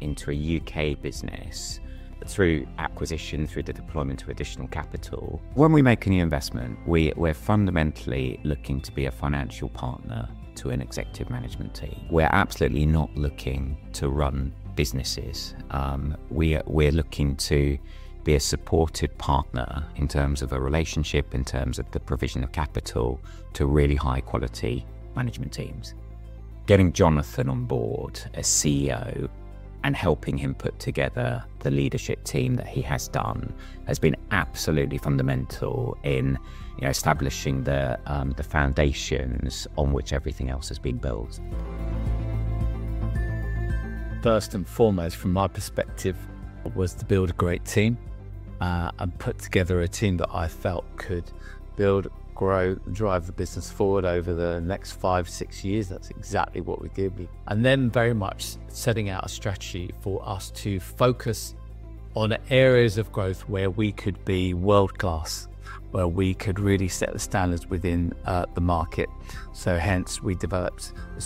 into a U.K. business through acquisition, through the deployment of additional capital. When we make any investment, we're fundamentally looking to be a financial partner to an executive management team. We're absolutely not looking to run businesses. We're looking to be a supportive partner in terms of a relationship, in terms of the provision of capital to really high-quality management teams. Getting Jonathan on board as CEO and helping him put together the leadership team that he has done has been absolutely fundamental in establishing the foundations on which everything else has been built. First and foremost, from my perspective, was to build a great team and put together a team that I felt could build, grow, and drive the business forward over the next five, six years. That's exactly what we did. And then very much setting out a strategy for us to focus on areas of growth where we could be world-class, where we could really set the standards within the market. So hence, we developed a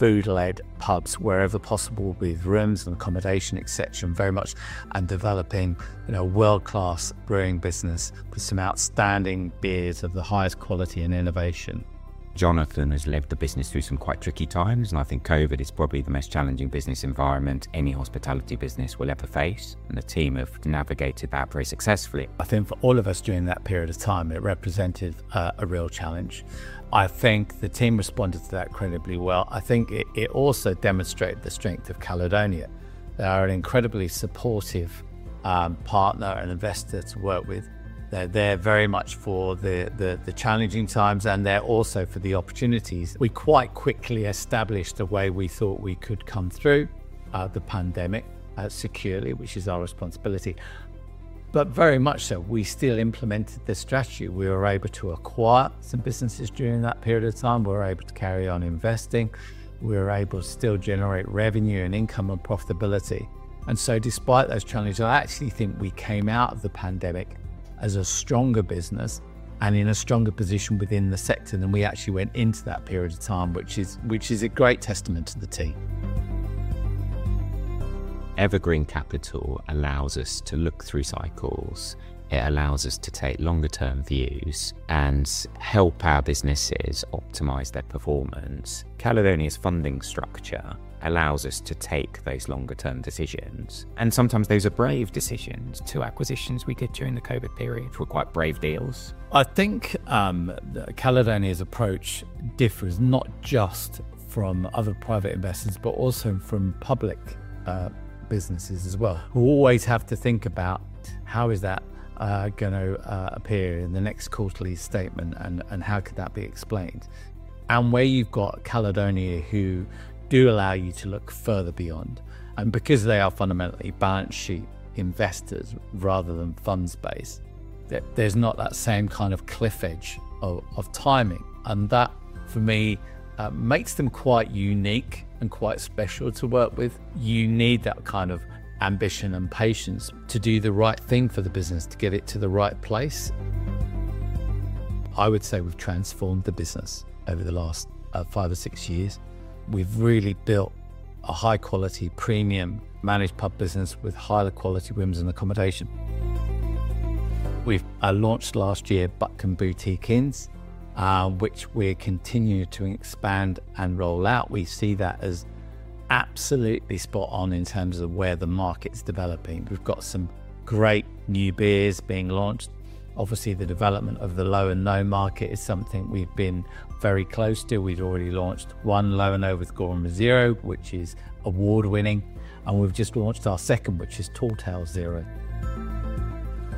strategy around premium food-led pubs wherever possible with rooms and accommodation, etc., and very much developing a world-class brewing business with some outstanding beers of the highest quality and innovation. Jonathan has led the business through some quite tricky times. And I think COVID is probably the most challenging business environment any hospitality business will ever face. And the team have navigated that very successfully. I think for all of us during that period of time, it represented a real challenge. I think the team responded to that incredibly well. I think it also demonstrated the strength of Caledonia. They are an incredibly supportive partner and investor to work with. They're there very much for the challenging times and they're also for the opportunities. We quite quickly established the way we thought we could come through the pandemic securely, which is our responsibility, but very much so, we still implemented the strategy. We were able to acquire some businesses during that period of time. We were able to carry on investing. We were able to still generate revenue and income and profitability, so despite those challenges, I actually think we came out of the pandemic as a stronger business and in a stronger position within the sector than we actually went into that period of time, which is a great testament to the team. Evergreen Capital allows us to look through cycles. It allows us to take longer-term views and help our businesses optimize their performance. Caledonia's funding structure allows us to take those longer-term decisions. Sometimes those are brave decisions. Two acquisitions we did during the COVID period were quite brave deals. I think Caledonia's approach differs not just from other private investors but also from public businesses as well, who always have to think about how is that going to appear in the next quarterly statement and how could that be explained. Where you've got Caledonia who do allow you to look further beyond. Because they are fundamentally balance sheet investors rather than funds-based, there's not that same kind of cliff edge of timing. That, for me, makes them quite unique and quite special to work with. You need that kind of ambition and patience to do the right thing for the business, to get it to the right place. I would say we've transformed the business over the last five or six years. We've really built a high-quality premium managed pub business with higher quality rooms and accommodation. We've launched last year Butcombe Boutique Inns, which we're continuing to expand and roll out. We see that as absolutely spot on in terms of where the market's developing. We've got some great new beers being launched. Obviously, the development of the low and no market is something we've been very close to. We've already launched one low and no with Goram Zero, which is award-winning, and we've just launched our second, which is Tall Tales Zero.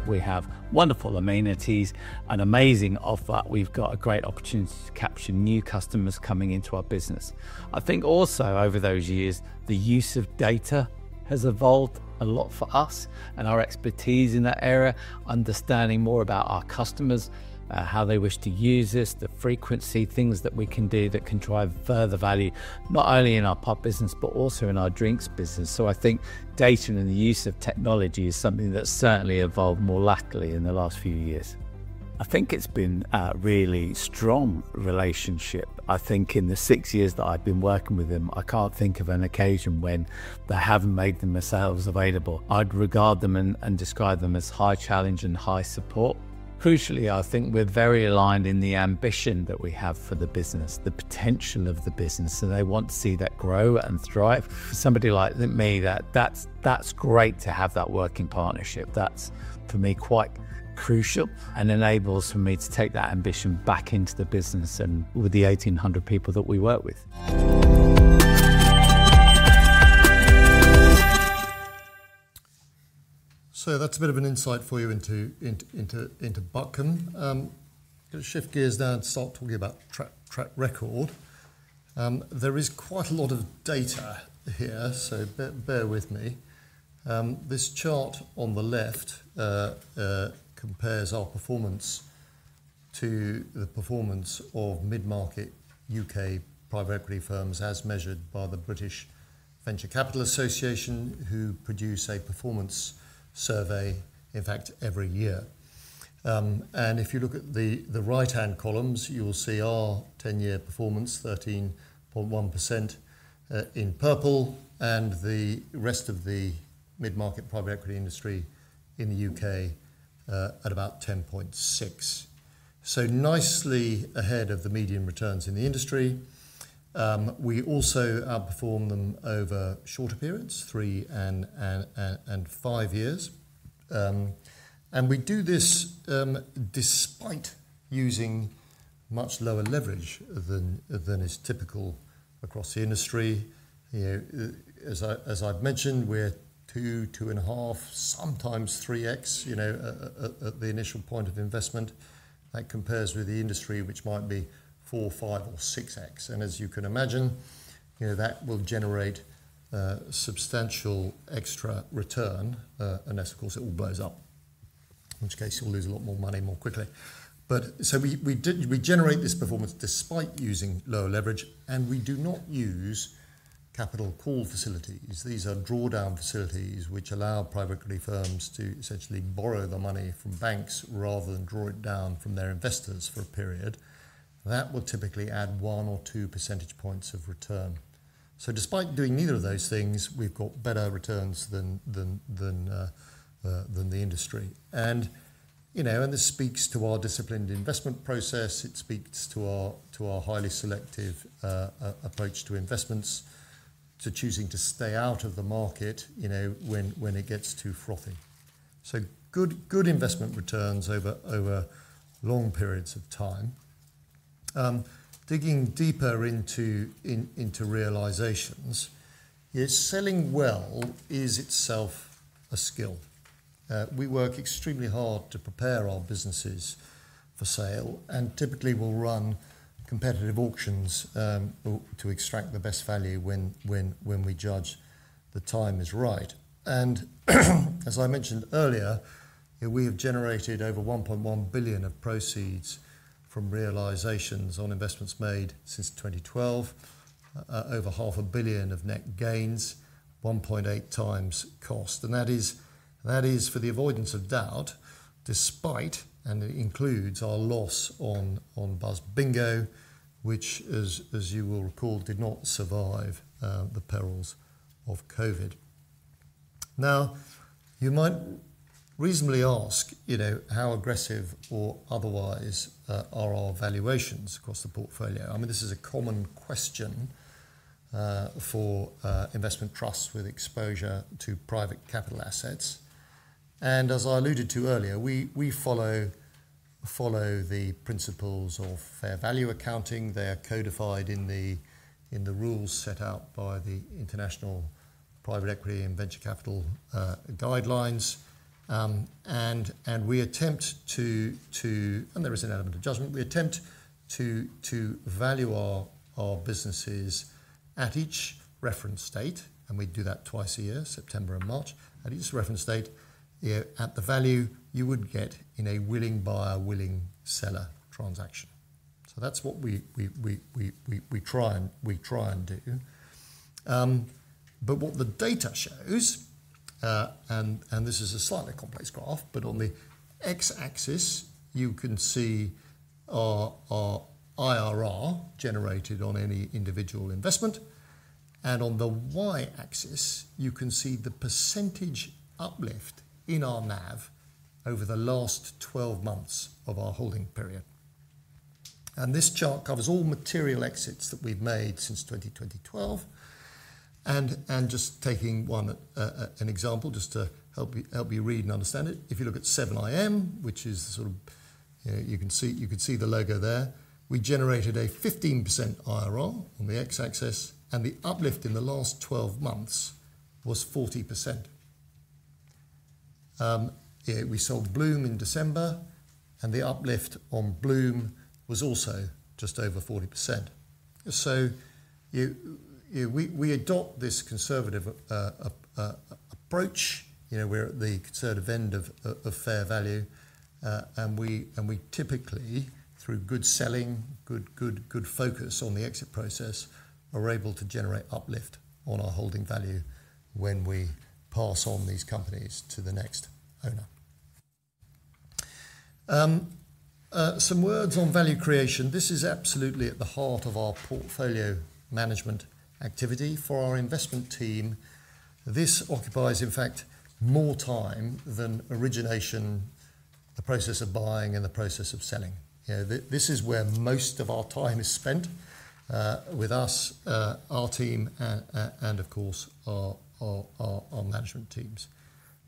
We have wonderful amenities, an amazing offer. We've got a great opportunity to capture new customers coming into our business. I think also, over those years, the use of data has evolved a lot for us and our expertise in that area, understanding more about our customers, how they wish to use us, the frequency, things that we can do that can drive further value, not only in our pub business but also in our drinks business, so I think data and the use of technology is something that's certainly evolved more latterly in the last few years. I think it's been a really strong relationship. I think in the six years that I've been working with them, I can't think of an occasion when they haven't made themselves available. I'd regard them and describe them as high challenge and high support. Crucially, I think we're very aligned in the ambition that we have for the business, the potential of the business. I want to see that grow and thrive. For somebody like me, that's great to have that working partnership. That's, for me, quite crucial and enables for me to take that ambition back into the business and with the 1,800 people that we work with. So that's a bit of an insight for you into Butcombe. I'm going to shift gears now and start talking about track record. There is quite a lot of data here, so bear with me. This chart on the left compares our performance to the performance of mid-market U.K. private equity firms as measured by the British Venture Capital Association, who produce a performance survey, in fact, every year. If you look at the right-hand columns, you'll see our 10-year performance, 13.1% in purple, and the rest of the mid-market private equity industry in the U.K. at about 10.6%. So, nicely ahead of the median returns in the industry. We also outperform them over shorter periods, three and five years. We do this despite using much lower leverage than is typical across the industry. As I've mentioned, we're 2x, 2.5x, sometimes 3x at the initial point of investment. That compares with the industry, which might be 4x, 5x, or 6x. As you can imagine, that will generate substantial extra return unless, of course, it all blows up, in which case you'll lose a lot more money more quickly. We generate this performance despite using low leverage. We do not use capital call facilities. These are drawdown facilities which allow private equity firms to essentially borrow the money from banks rather than draw it down from their investors for a period. That will typically add 1 percentage point-2 percentage point of return. Despite doing neither of those things, we've got better returns than the industry. This speaks to our disciplined investment process. It speaks to our highly selective approach to investments, to choosing to stay out of the market when it gets too frothy. Good investment returns over long periods of time. Digging deeper into realizations, selling well is itself a skill. We work extremely hard to prepare our businesses for sale. Typically, we'll run competitive auctions to extract the best value when we judge the time is right. As I mentioned earlier, we have generated over 1.1 billion of proceeds from realizations on investments made since 2012, over 500 million of net gains, 1.8x cost. That is, for the avoidance of doubt, despite, and it includes our loss on Buzz Bingo, which, as you will recall, did not survive the perils of COVID. Now, you might reasonably ask how aggressive or otherwise are our valuations across the portfolio. I mean, this is a common question for investment trusts with exposure to private capital assets. And as I alluded to earlier, we follow the principles of fair value accounting. They are codified in the rules set out by the International Private Equity and Venture Capital Guidelines. And we attempt to, and there is an element of judgment, we attempt to value our businesses at each reference date. And we do that twice a year, September and March, at each reference date, at the value you would get in a willing buyer, willing seller transaction. So that's what we try and do. But what the data shows, and this is a slightly complex graph, but on the X-axis, you can see our IRR generated on any individual investment. On the Y-axis, you can see the percentage uplift in our NAV over the last 12 months of our holding period. This chart covers all material exits that we've made since 2012. Just taking one example just to help you read and understand it, if you look at 7IM, which is sort of—you can see the logo there, we generated a 15% IRR on the X-axis. The uplift in the last 12 months was 40%. We sold Bloom in December, and the uplift on Bloom was also just over 40%. We adopt this conservative approach. We're at the conservative end of fair value. We typically, through good selling, good focus on the exit process, are able to generate uplift on our holding value when we pass on these companies to the next owner. Some words on value creation. This is absolutely at the heart of our portfolio management activity for our investment team. This occupies, in fact, more time than origination, the process of buying, and the process of selling. This is where most of our time is spent with us, our team, and, of course, our management teams.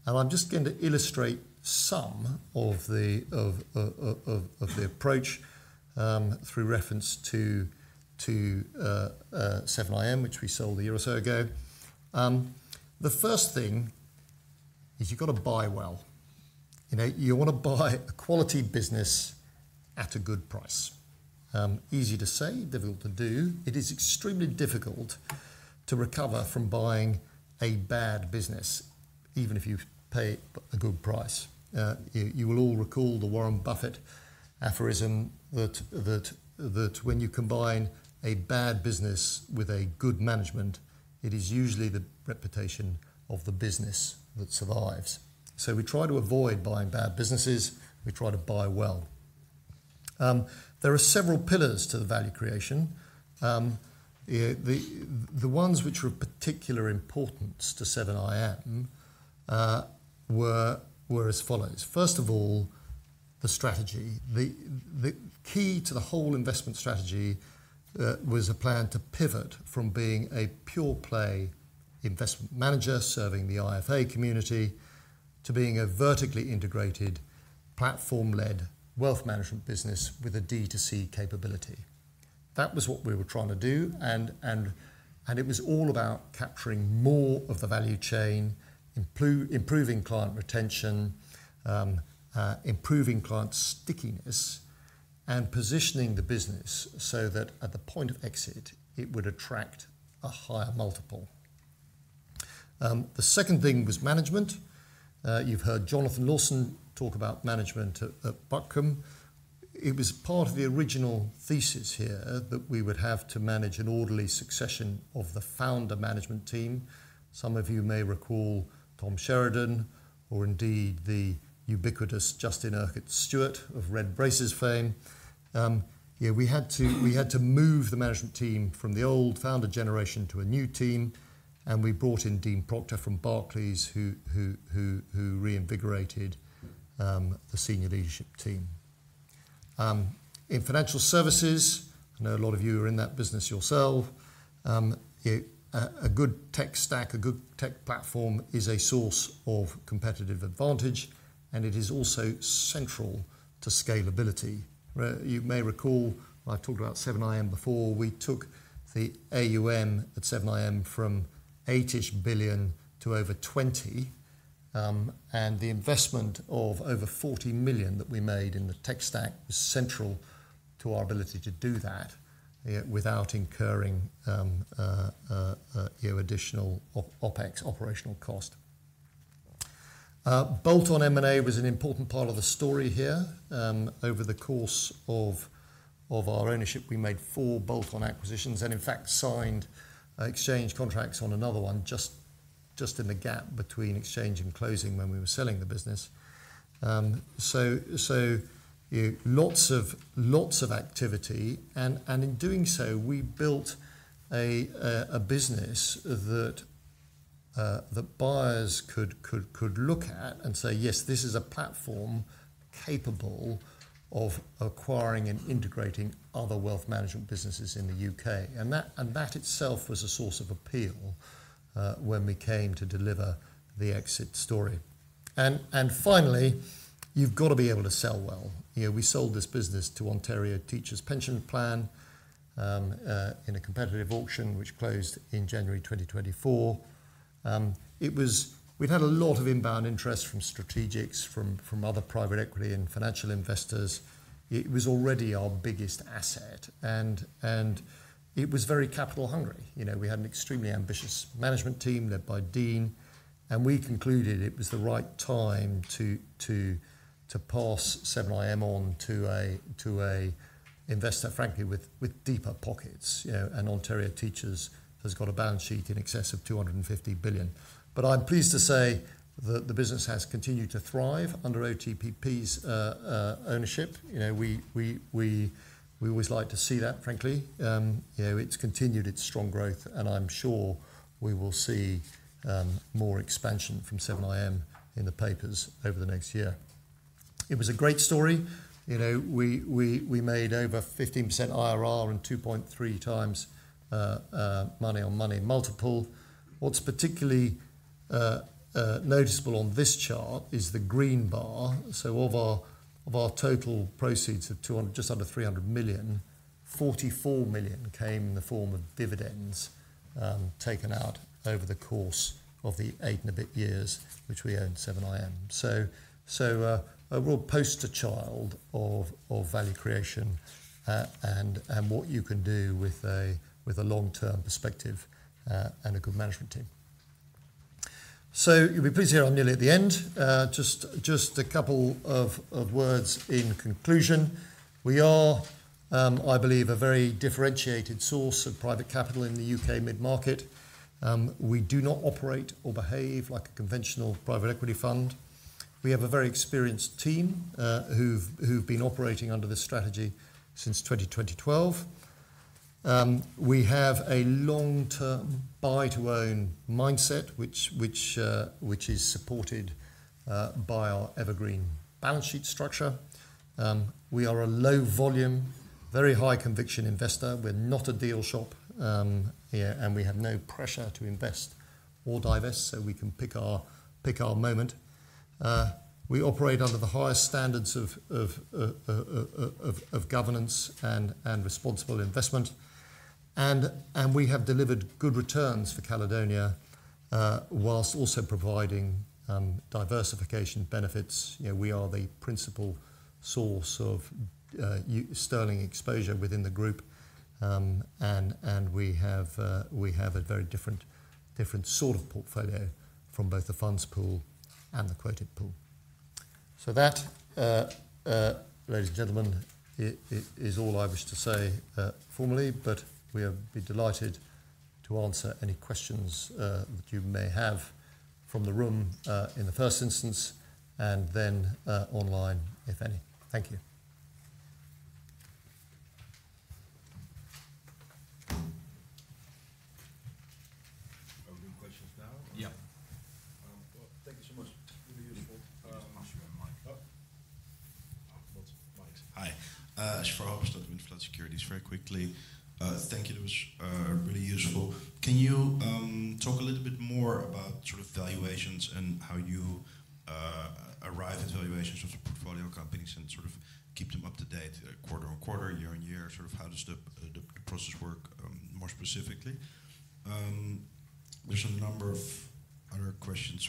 And I'm just going to illustrate some of the approach through reference to 7IM, which we sold a year or so ago. The first thing is you've got to buy well. You want to buy a quality business at a good price. Easy to say, difficult to do. It is extremely difficult to recover from buying a bad business, even if you pay a good price. You will all recall the Warren Buffett aphorism that when you combine a bad business with a good management, it is usually the reputation of the business that survives. We try to avoid buying bad businesses. We try to buy well. There are several pillars to the value creation. The ones which were of particular importance to 7IM were as follows. First of all, the strategy. The key to the whole investment strategy was a plan to pivot from being a pure-play investment manager serving the IFA community to being a vertically integrated platform-led wealth management business with a D2C capability. That was what we were trying to do. And it was all about capturing more of the value chain, improving client retention, improving client stickiness, and positioning the business so that at the point of exit, it would attract a higher multiple. The second thing was management. You've heard Jonathan Lawson talk about management at Butcombe. It was part of the original thesis here that we would have to manage an orderly succession of the founder management team. Some of you may recall Tom Sheridan or indeed the ubiquitous Justin Urquhart Stewart of Red Braces fame. We had to move the management team from the old founder generation to a new team, and we brought in Dean Proctor from Barclays who reinvigorated the senior leadership team. In financial services, I know a lot of you are in that business yourself. A good tech stack, a good tech platform is a source of competitive advantage, and it is also central to scalability. You may recall I talked about 7IM before. We took the AUM at 7IM from [80]-ish billion to over 20. And the investment of over 40 million that we made in the tech stack was central to our ability to do that without incurring additional OpEx operational cost. Bolt-on M&A was an important part of the story here. Over the course of our ownership, we made four bolt-on acquisitions and, in fact, signed exchange contracts on another one just in the gap between exchange and closing when we were selling the business. So lots of activity. And in doing so, we built a business that buyers could look at and say, "Yes, this is a platform capable of acquiring and integrating other wealth management businesses in the U.K." And that itself was a source of appeal when we came to deliver the exit story. And finally, you've got to be able to sell well. We sold this business to Ontario Teachers' Pension Plan in a competitive auction which closed in January 2024. We'd had a lot of inbound interest from strategics, from other private equity and financial investors. It was already our biggest asset. And it was very capital-hungry. We had an extremely ambitious management team led by Dean. And we concluded it was the right time to pass 7IM on to an investor, frankly, with deeper pockets. And Ontario Teachers has got a balance sheet in excess of 250 billion. But I'm pleased to say that the business has continued to thrive under OTPP's ownership. We always like to see that, frankly. It's continued its strong growth. And I'm sure we will see more expansion from 7IM in the papers over the next year. It was a great story. We made over 15% IRR and 2.3x money-on-money multiple. What's particularly noticeable on this chart is the green bar. So of our total proceeds of just under 300 million, 44 million came in the form of dividends taken out over the course of the eight and a bit years which we owned 7IM. So a real poster child of value creation and what you can do with a long-term perspective and a good management team. So you'll be pleased to hear I'm nearly at the end. Just a couple of words in conclusion. We are, I believe, a very differentiated source of private capital in the U.K. mid-market. We do not operate or behave like a conventional private equity fund. We have a very experienced team who've been operating under this strategy since 2012. We have a long-term buy-to-own mindset which is supported by our evergreen balance sheet structure. We are a low-volume, very high-conviction investor. We're not a deal shop. And we have no pressure to invest or divest so we can pick our moment. We operate under the highest standards of governance and responsible investment. And we have delivered good returns for Caledonia whilst also providing diversification benefits. We are the principal source of sterling exposure within the group. And we have a very different sort of portfolio from both the funds pool and the quoted pool. So that, ladies and gentlemen, is all I wish to say formally. But we'll be delighted to answer any questions that you may have from the room in the first instance and then online if any. Thank you. Open questions now? Yeah. Thank you so much. Really useful. Share my mic. Hi. [Shavara] Abbas, Winterflood Securities. Very quickly, thank you. That was really useful. Can you talk a little bit more about sort of valuations and how you arrive at valuations of the portfolio companies and sort of keep them up to date quarter-on-quarter, year-on-year? Sort of how does the process work more specifically? There's a number of other questions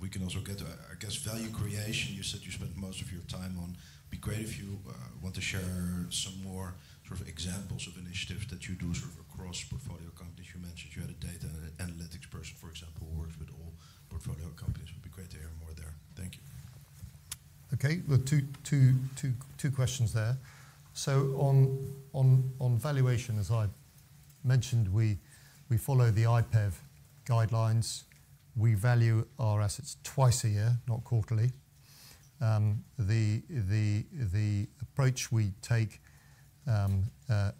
we can also get. I guess value creation, you said you spent most of your time on. It'd be great if you want to share some more sort of examples of initiatives that you do sort of across portfolio companies. You mentioned you had a data analytics person, for example, who works with all portfolio companies. It'd be great to hear more there. Thank you. Okay. Two questions there. So on valuation, as I mentioned, we follow the IPEV Guidelines. We value our assets twice a year, not quarterly. The approach we take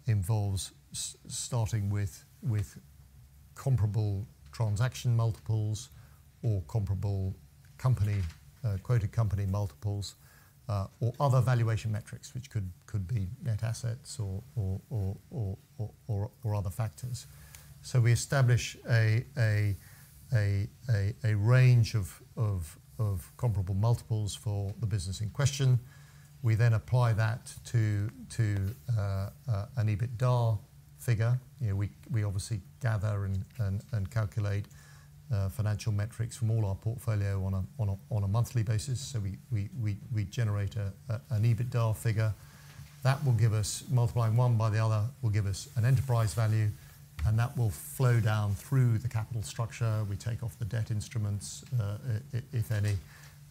involves starting with comparable transaction multiples or comparable quoted company multiples or other valuation metrics, which could be net assets or other factors. So we establish a range of comparable multiples for the business in question. We then apply that to an EBITDA figure. We obviously gather and calculate financial metrics from all our portfolio on a monthly basis. So we generate an EBITDA figure. That will give us. Multiplying one by the other will give us an enterprise value, and that will flow down through the capital structure. We take off the debt instruments, if any,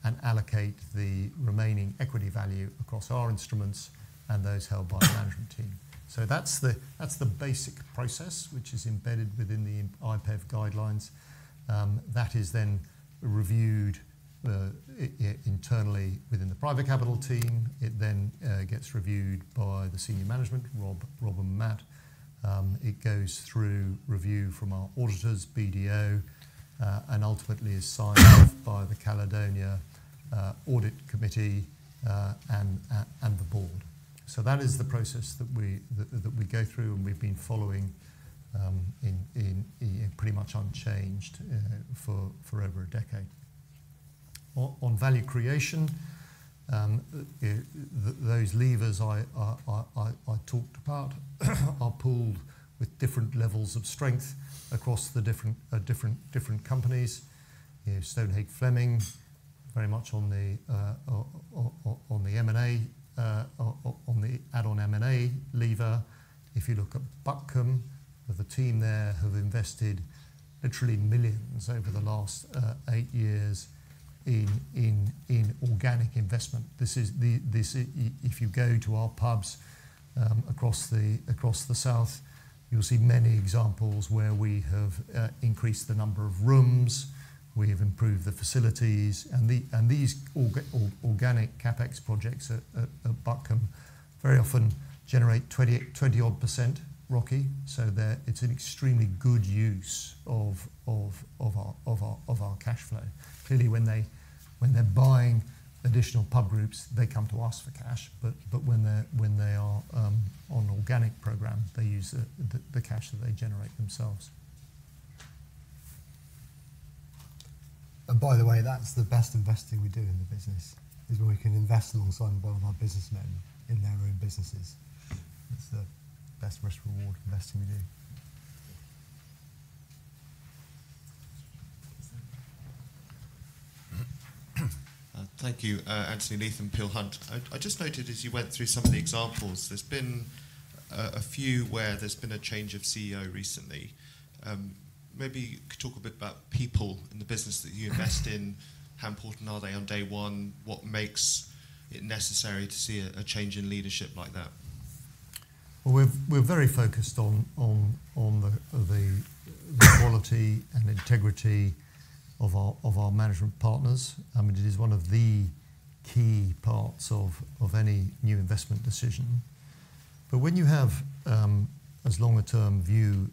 and allocate the remaining equity value across our instruments and those held by the management team. That is the basic process, which is embedded within the IPEV Guidelines. That is then reviewed internally within the Private Capital team. It then gets reviewed by the senior management, Rob and Mat. It goes through review from our auditors, BDO, and ultimately is signed off by the Caledonia Audit Committee and the Board. That is the process that we go through and we've been following pretty much unchanged for over a decade. On value creation, those levers I talked about are pulled with different levels of strength across the different companies. Stonehage Fleming, very much on the add-on M&A lever. If you look at Butcombe, the team there have invested literally millions over the last eight years in organic investment. If you go to our pubs across the south, you'll see many examples where we have increased the number of rooms. We have improved the facilities. And these organic CapEx projects at Butcombe very often generate 20%-odd ROCE. So it's an extremely good use of our cash flow. Clearly, when they're buying additional pub groups, they come to us for cash. But when they are on an organic program, they use the cash that they generate themselves. By the way, that's the best investing we do in the business, is when we can invest alongside one of our businessmen in their own businesses. It's the best risk-reward investing we do. Thank you, Anthony Leatham, Peel Hunt. I just noted as you went through some of the examples, there's been a few where there's been a change of CEO recently. Maybe you could talk a bit about people in the business that you invest in, how important are they on day one, what makes it necessary to see a change in leadership like that? We're very focused on the quality and integrity of our management partners. I mean, it is one of the key parts of any new investment decision. But when you have as long a term view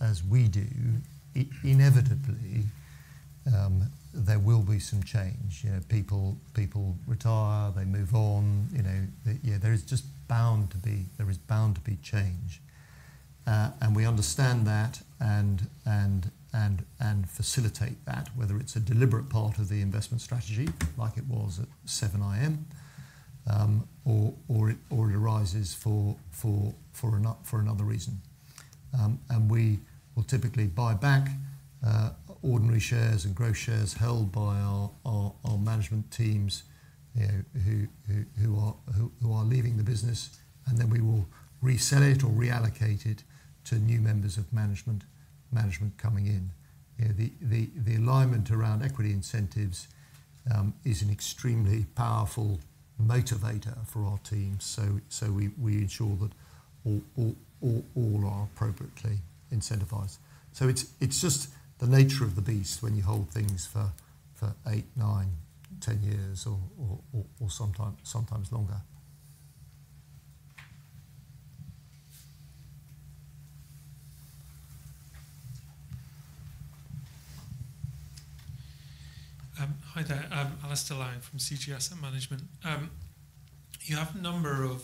as we do, inevitably, there will be some change. People retire, they move on. There is just bound to be change. And we understand that and facilitate that, whether it's a deliberate part of the investment strategy, like it was at 7IM, or it arises for another reason. And we will typically buy back ordinary shares and growth shares held by our management teams who are leaving the business. And then we will resell it or reallocate it to new members of management coming in. The alignment around equity incentives is an extremely powerful motivator for our team. So we ensure that all are appropriately incentivized. So it's just the nature of the beast when you hold things for eight, nine, 10 years, or sometimes longer. Hi there. Alastair Laing from CG Asset Management. You have a number of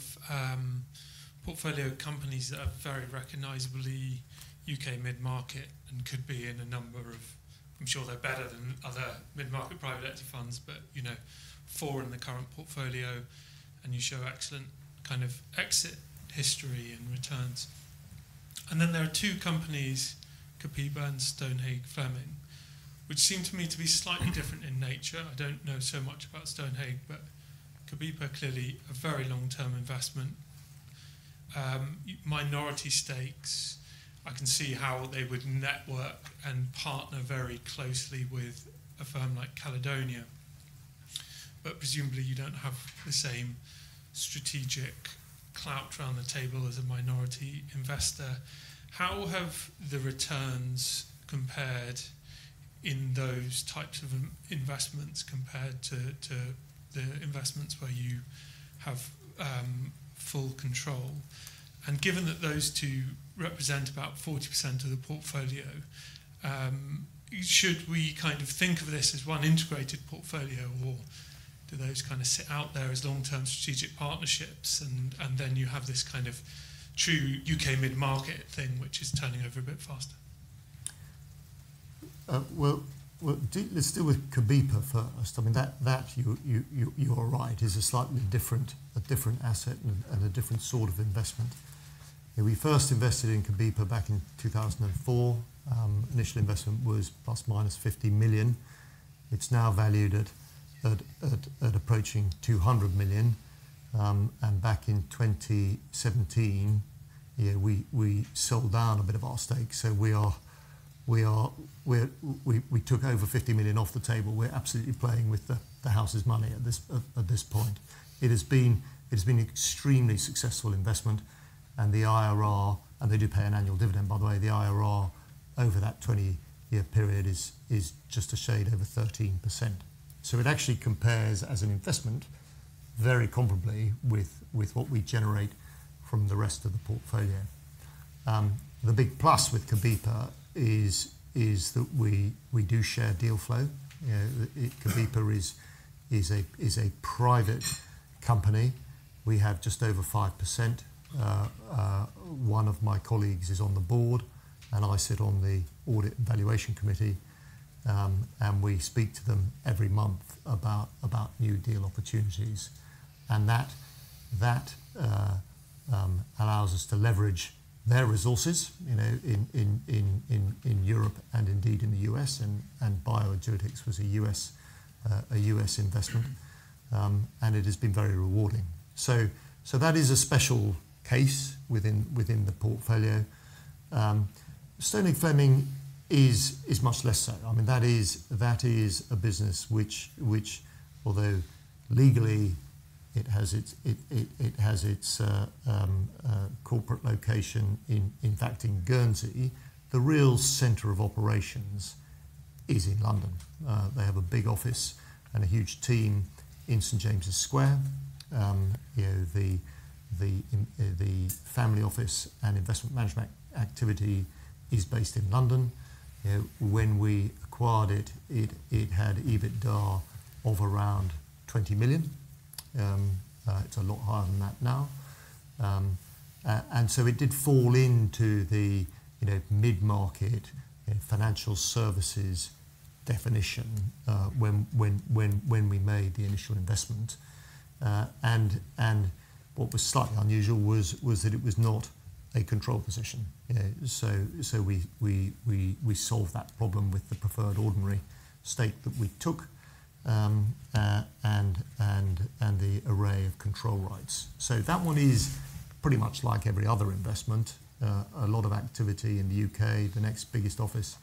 portfolio companies that are very recognizably U.K. mid-market and could be in a number of. I'm sure they're better than other mid-market private equity funds, but four in the current portfolio. And you show excellent kind of exit history and returns. And then there are two companies, Cobepa and Stonehage Fleming, which seem to me to be slightly different in nature. I don't know so much about Stonehage, but Cobepa is clearly a very long-term investment. Minority stakes. I can see how they would network and partner very closely with a firm like Caledonia. But presumably, you don't have the same strategic clout around the table as a minority investor. How have the returns compared in those types of investments compared to the investments where you have full control? Given that those two represent about 40% of the portfolio, should we kind of think of this as one integrated portfolio, or do those kind of sit out there as long-term strategic partnerships? Then you have this kind of true U.K. mid-market thing, which is turning over a bit faster. Let's do with Cobepa first. I mean, that, you're right, is a slightly different asset and a different sort of investment. We first invested in Cobepa back in 2004. Initial investment was ±50 million. It's now valued at approaching 200 million. And back in 2017, we sold down a bit of our stake. So we took over 50 million off the table. We're absolutely playing with the house's money at this point. It has been an extremely successful investment. And the IRR, and they do pay an annual dividend, by the way, the IRR over that 20 year period is just a shade over 13%. So it actually compares, as an investment, very comparably with what we generate from the rest of the portfolio. The big plus with Cobepa is that we do share deal flow. Cobepa is a private company. We have just over 5%. One of my colleagues is on the board, and I sit on the Audit and Valuation Committee, and we speak to them every month about new deal opportunities, and that allows us to leverage their resources in Europe and indeed in the U.S. BioAgilytix was a U.S. investment, and it has been very rewarding. That is a special case within the portfolio. Stonehage Fleming is much less so. I mean, that is a business which, although legally it has its corporate location in fact in Guernsey, the real center of operations is in London. They have a big office and a huge team in St James's Square. The family office and investment management activity is based in London. When we acquired it, it had EBITDA of around 20 million. It's a lot higher than that now. And so it did fall into the mid-market financial services definition when we made the initial investment. And what was slightly unusual was that it was not a control position. So we solved that problem with the preferred ordinary stake that we took and the array of control rights. So that one is pretty much like every other investment. A lot of activity in the U.K. The next biggest office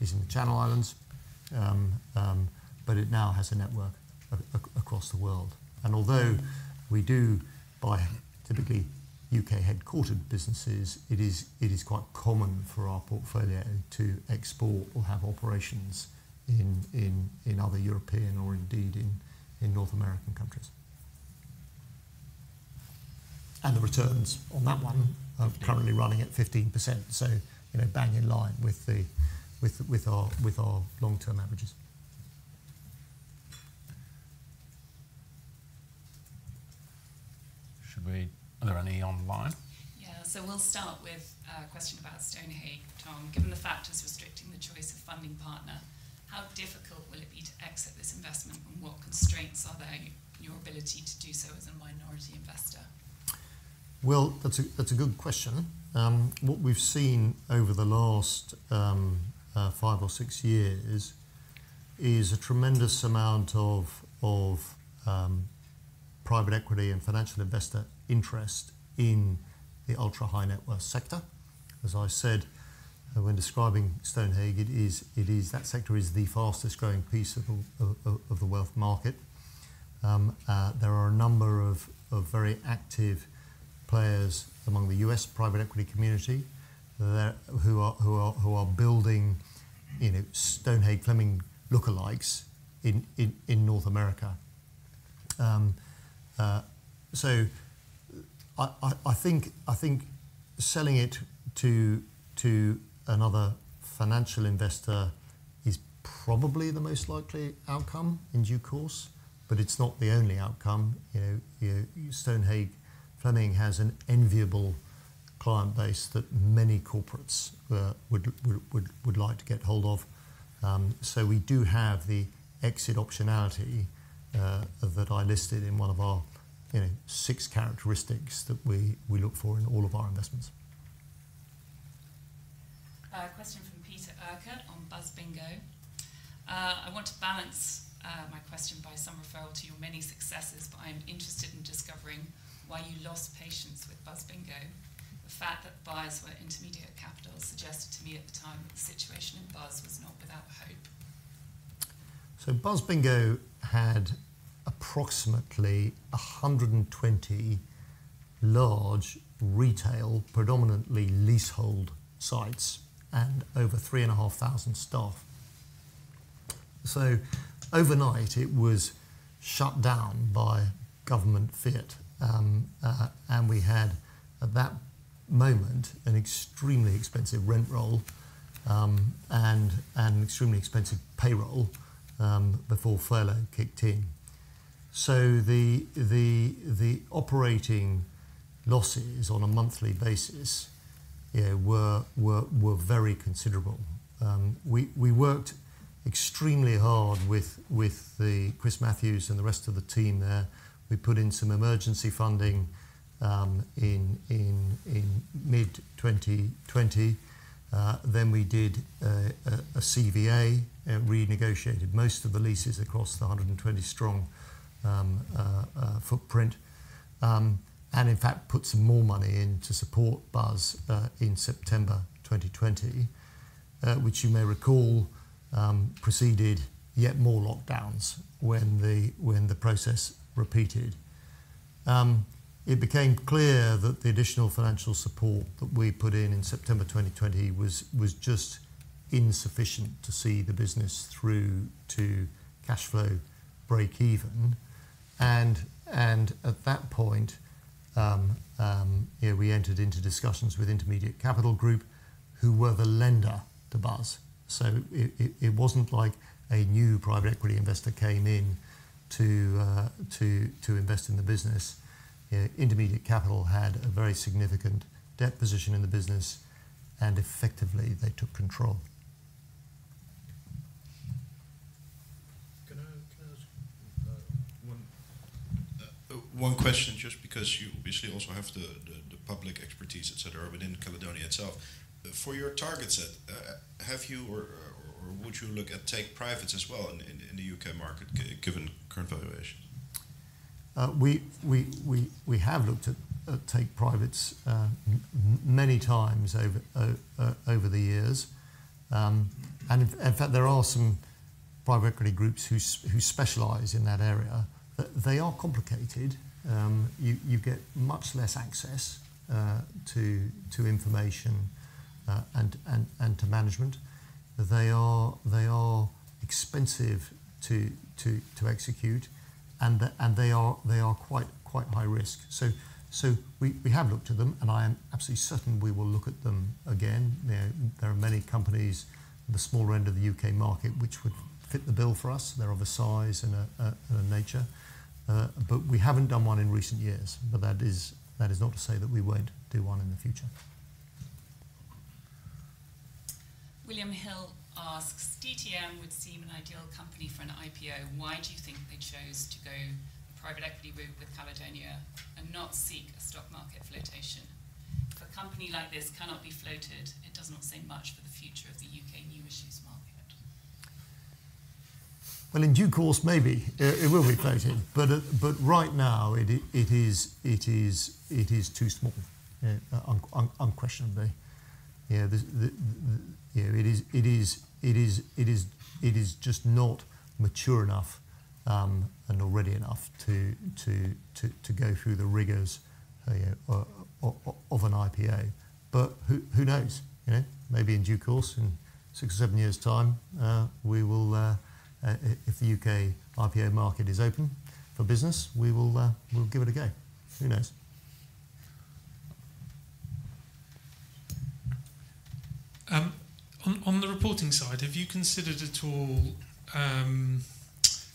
is in the Channel Islands. But it now has a network across the world. And although we do buy typically U.K. headquartered businesses, it is quite common for our portfolio to export or have operations in other European or indeed in North American countries. And the returns on that one are currently running at 15%. So bang in line with our long-term averages. Should we? Are there any online? Yeah. So we'll start with a question about Stonehage, Tom. Given the factors restricting the choice of funding partner, how difficult will it be to exit this investment, and what constraints are there in your ability to do so as a minority investor? That's a good question. What we've seen over the last five or six years is a tremendous amount of private equity and financial investor interest in the ultra-high net worth sector. As I said, when describing Stonehage Fleming, that sector is the fastest growing piece of the wealth market. There are a number of very active players among the U.S. private equity community who are building Stonehage Fleming lookalikes in North America, so I think selling it to another financial investor is probably the most likely outcome in due course. But it's not the only outcome. Stonehage Fleming has an enviable client base that many corporates would like to get hold of, so we do have the exit optionality that I listed in one of our six characteristics that we look for in all of our investments. Question from Peter Ercer on Buzz Bingo. I want to balance my question by some reference to your many successes, but I'm interested in discovering why you lost patience with Buzz Bingo. The fact that buyers were Intermediate Capital suggested to me at the time that the situation in Buzz was not without hope. Buzz Bingo had approximately 120 large retail, predominantly leasehold sites, and over 3,500 staff. Overnight, it was shut down by government fiat. We had, at that moment, an extremely expensive rent roll and an extremely expensive payroll before furlough kicked in. The operating losses on a monthly basis were very considerable. We worked extremely hard with Chris Matthews and the rest of the team there. We put in some emergency funding in mid-2020. Then we did a CVA, renegotiated most of the leases across the 120-strong footprint, and in fact, put some more money in to support Buzz in September 2020, which you may recall preceded yet more lockdowns when the process repeated. It became clear that the additional financial support that we put in in September 2020 was just insufficient to see the business through to cash flow break-even. At that point, we entered into discussions with Intermediate Capital Group, who were the lender to Buzz. It wasn't like a new private equity investor came in to invest in the business. Intermediate Capital had a very significant debt position in the business, and effectively, they took control. One question, just because you obviously also have the public expertise, etc., within Caledonia itself. For your target set, have you or would you look at take-privates as well in the U.K. market, given current valuation? We have looked at take-privates many times over the years. And in fact, there are some private equity groups who specialize in that area. They are complicated. You get much less access to information and to management. They are expensive to execute, and they are quite high risk. So we have looked at them, and I am absolutely certain we will look at them again. There are many companies in the smaller end of the U.K. market which would fit the bill for us. They're of a size and a nature. But we haven't done one in recent years. But that is not to say that we won't do one in the future. William Hill asks, "DTM would seem an ideal company for an IPO. Why do you think they chose to go private equity route with Caledonia and not seek a stock market flotation? If a company like this cannot be floated, it does not say much for the future of the U.K. new issues market. In due course, maybe it will be floated, but right now, it is too small, unquestionably. It is just not mature enough and ready enough to go through the rigors of an IPO, but who knows? Maybe in due course, in six or seven years' time, if the U.K. IPO market is open for business, we will give it a go. Who knows? On the reporting side, have you considered at all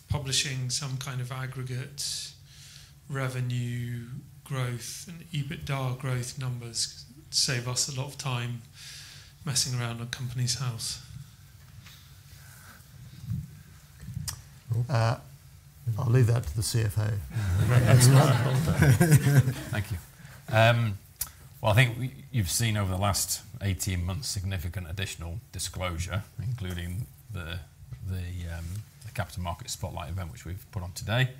publishing some kind of aggregate revenue growth and EBITDA growth numbers to save us a lot of time messing around on Companies House? I'll leave that to the CFO. Thank you. I think you've seen over the last 18 months significant additional disclosure, including the capital market spotlight event, which we've put on today.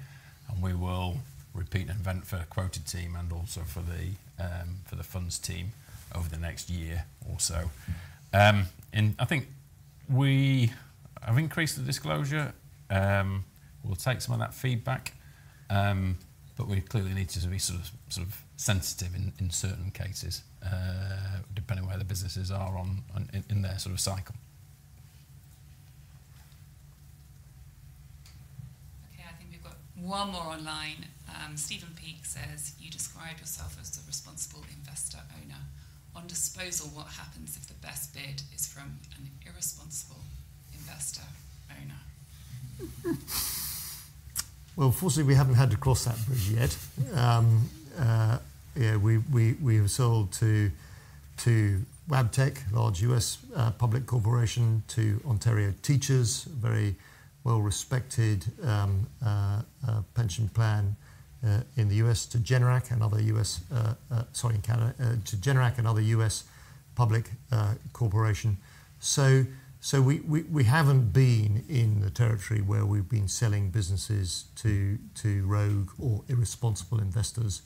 We will repeat an event for the quoted team and also for the funds team over the next year or so. I think we have increased the disclosure. We'll take some of that feedback. We clearly need to be sort of sensitive in certain cases, depending on where the businesses are in their sort of cycle. Okay. I think we've got one more online. Stephen Peak says, "You describe yourself as the responsible investor owner. On disposal, what happens if the best bid is from an irresponsible investor owner? Well, fortunately, we haven't had to cross that bridge yet. We have sold to Wabtec, a large U.S. public corporation, to Ontario Teachers', a very well-respected pension plan in the U.S., to Generac and other U.S. public corporations. So we haven't been in the territory where we've been selling businesses to rogue or irresponsible investors.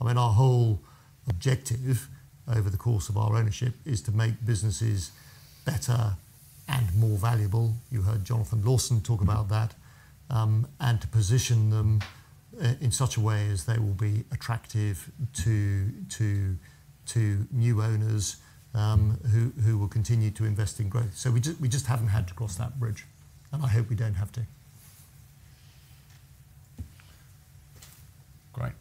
I mean, our whole objective over the course of our ownership is to make businesses better and more valuable. You heard Jonathan Lawson talk about that. And to position them in such a way as they will be attractive to new owners who will continue to invest in growth. So we just haven't had to cross that bridge. And I hope we don't have to. Great.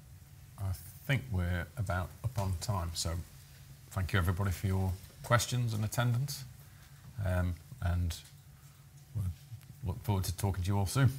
I think we're about up on time. So thank you, everybody, for your questions and attendance. And we'll look forward to talking to you all soon.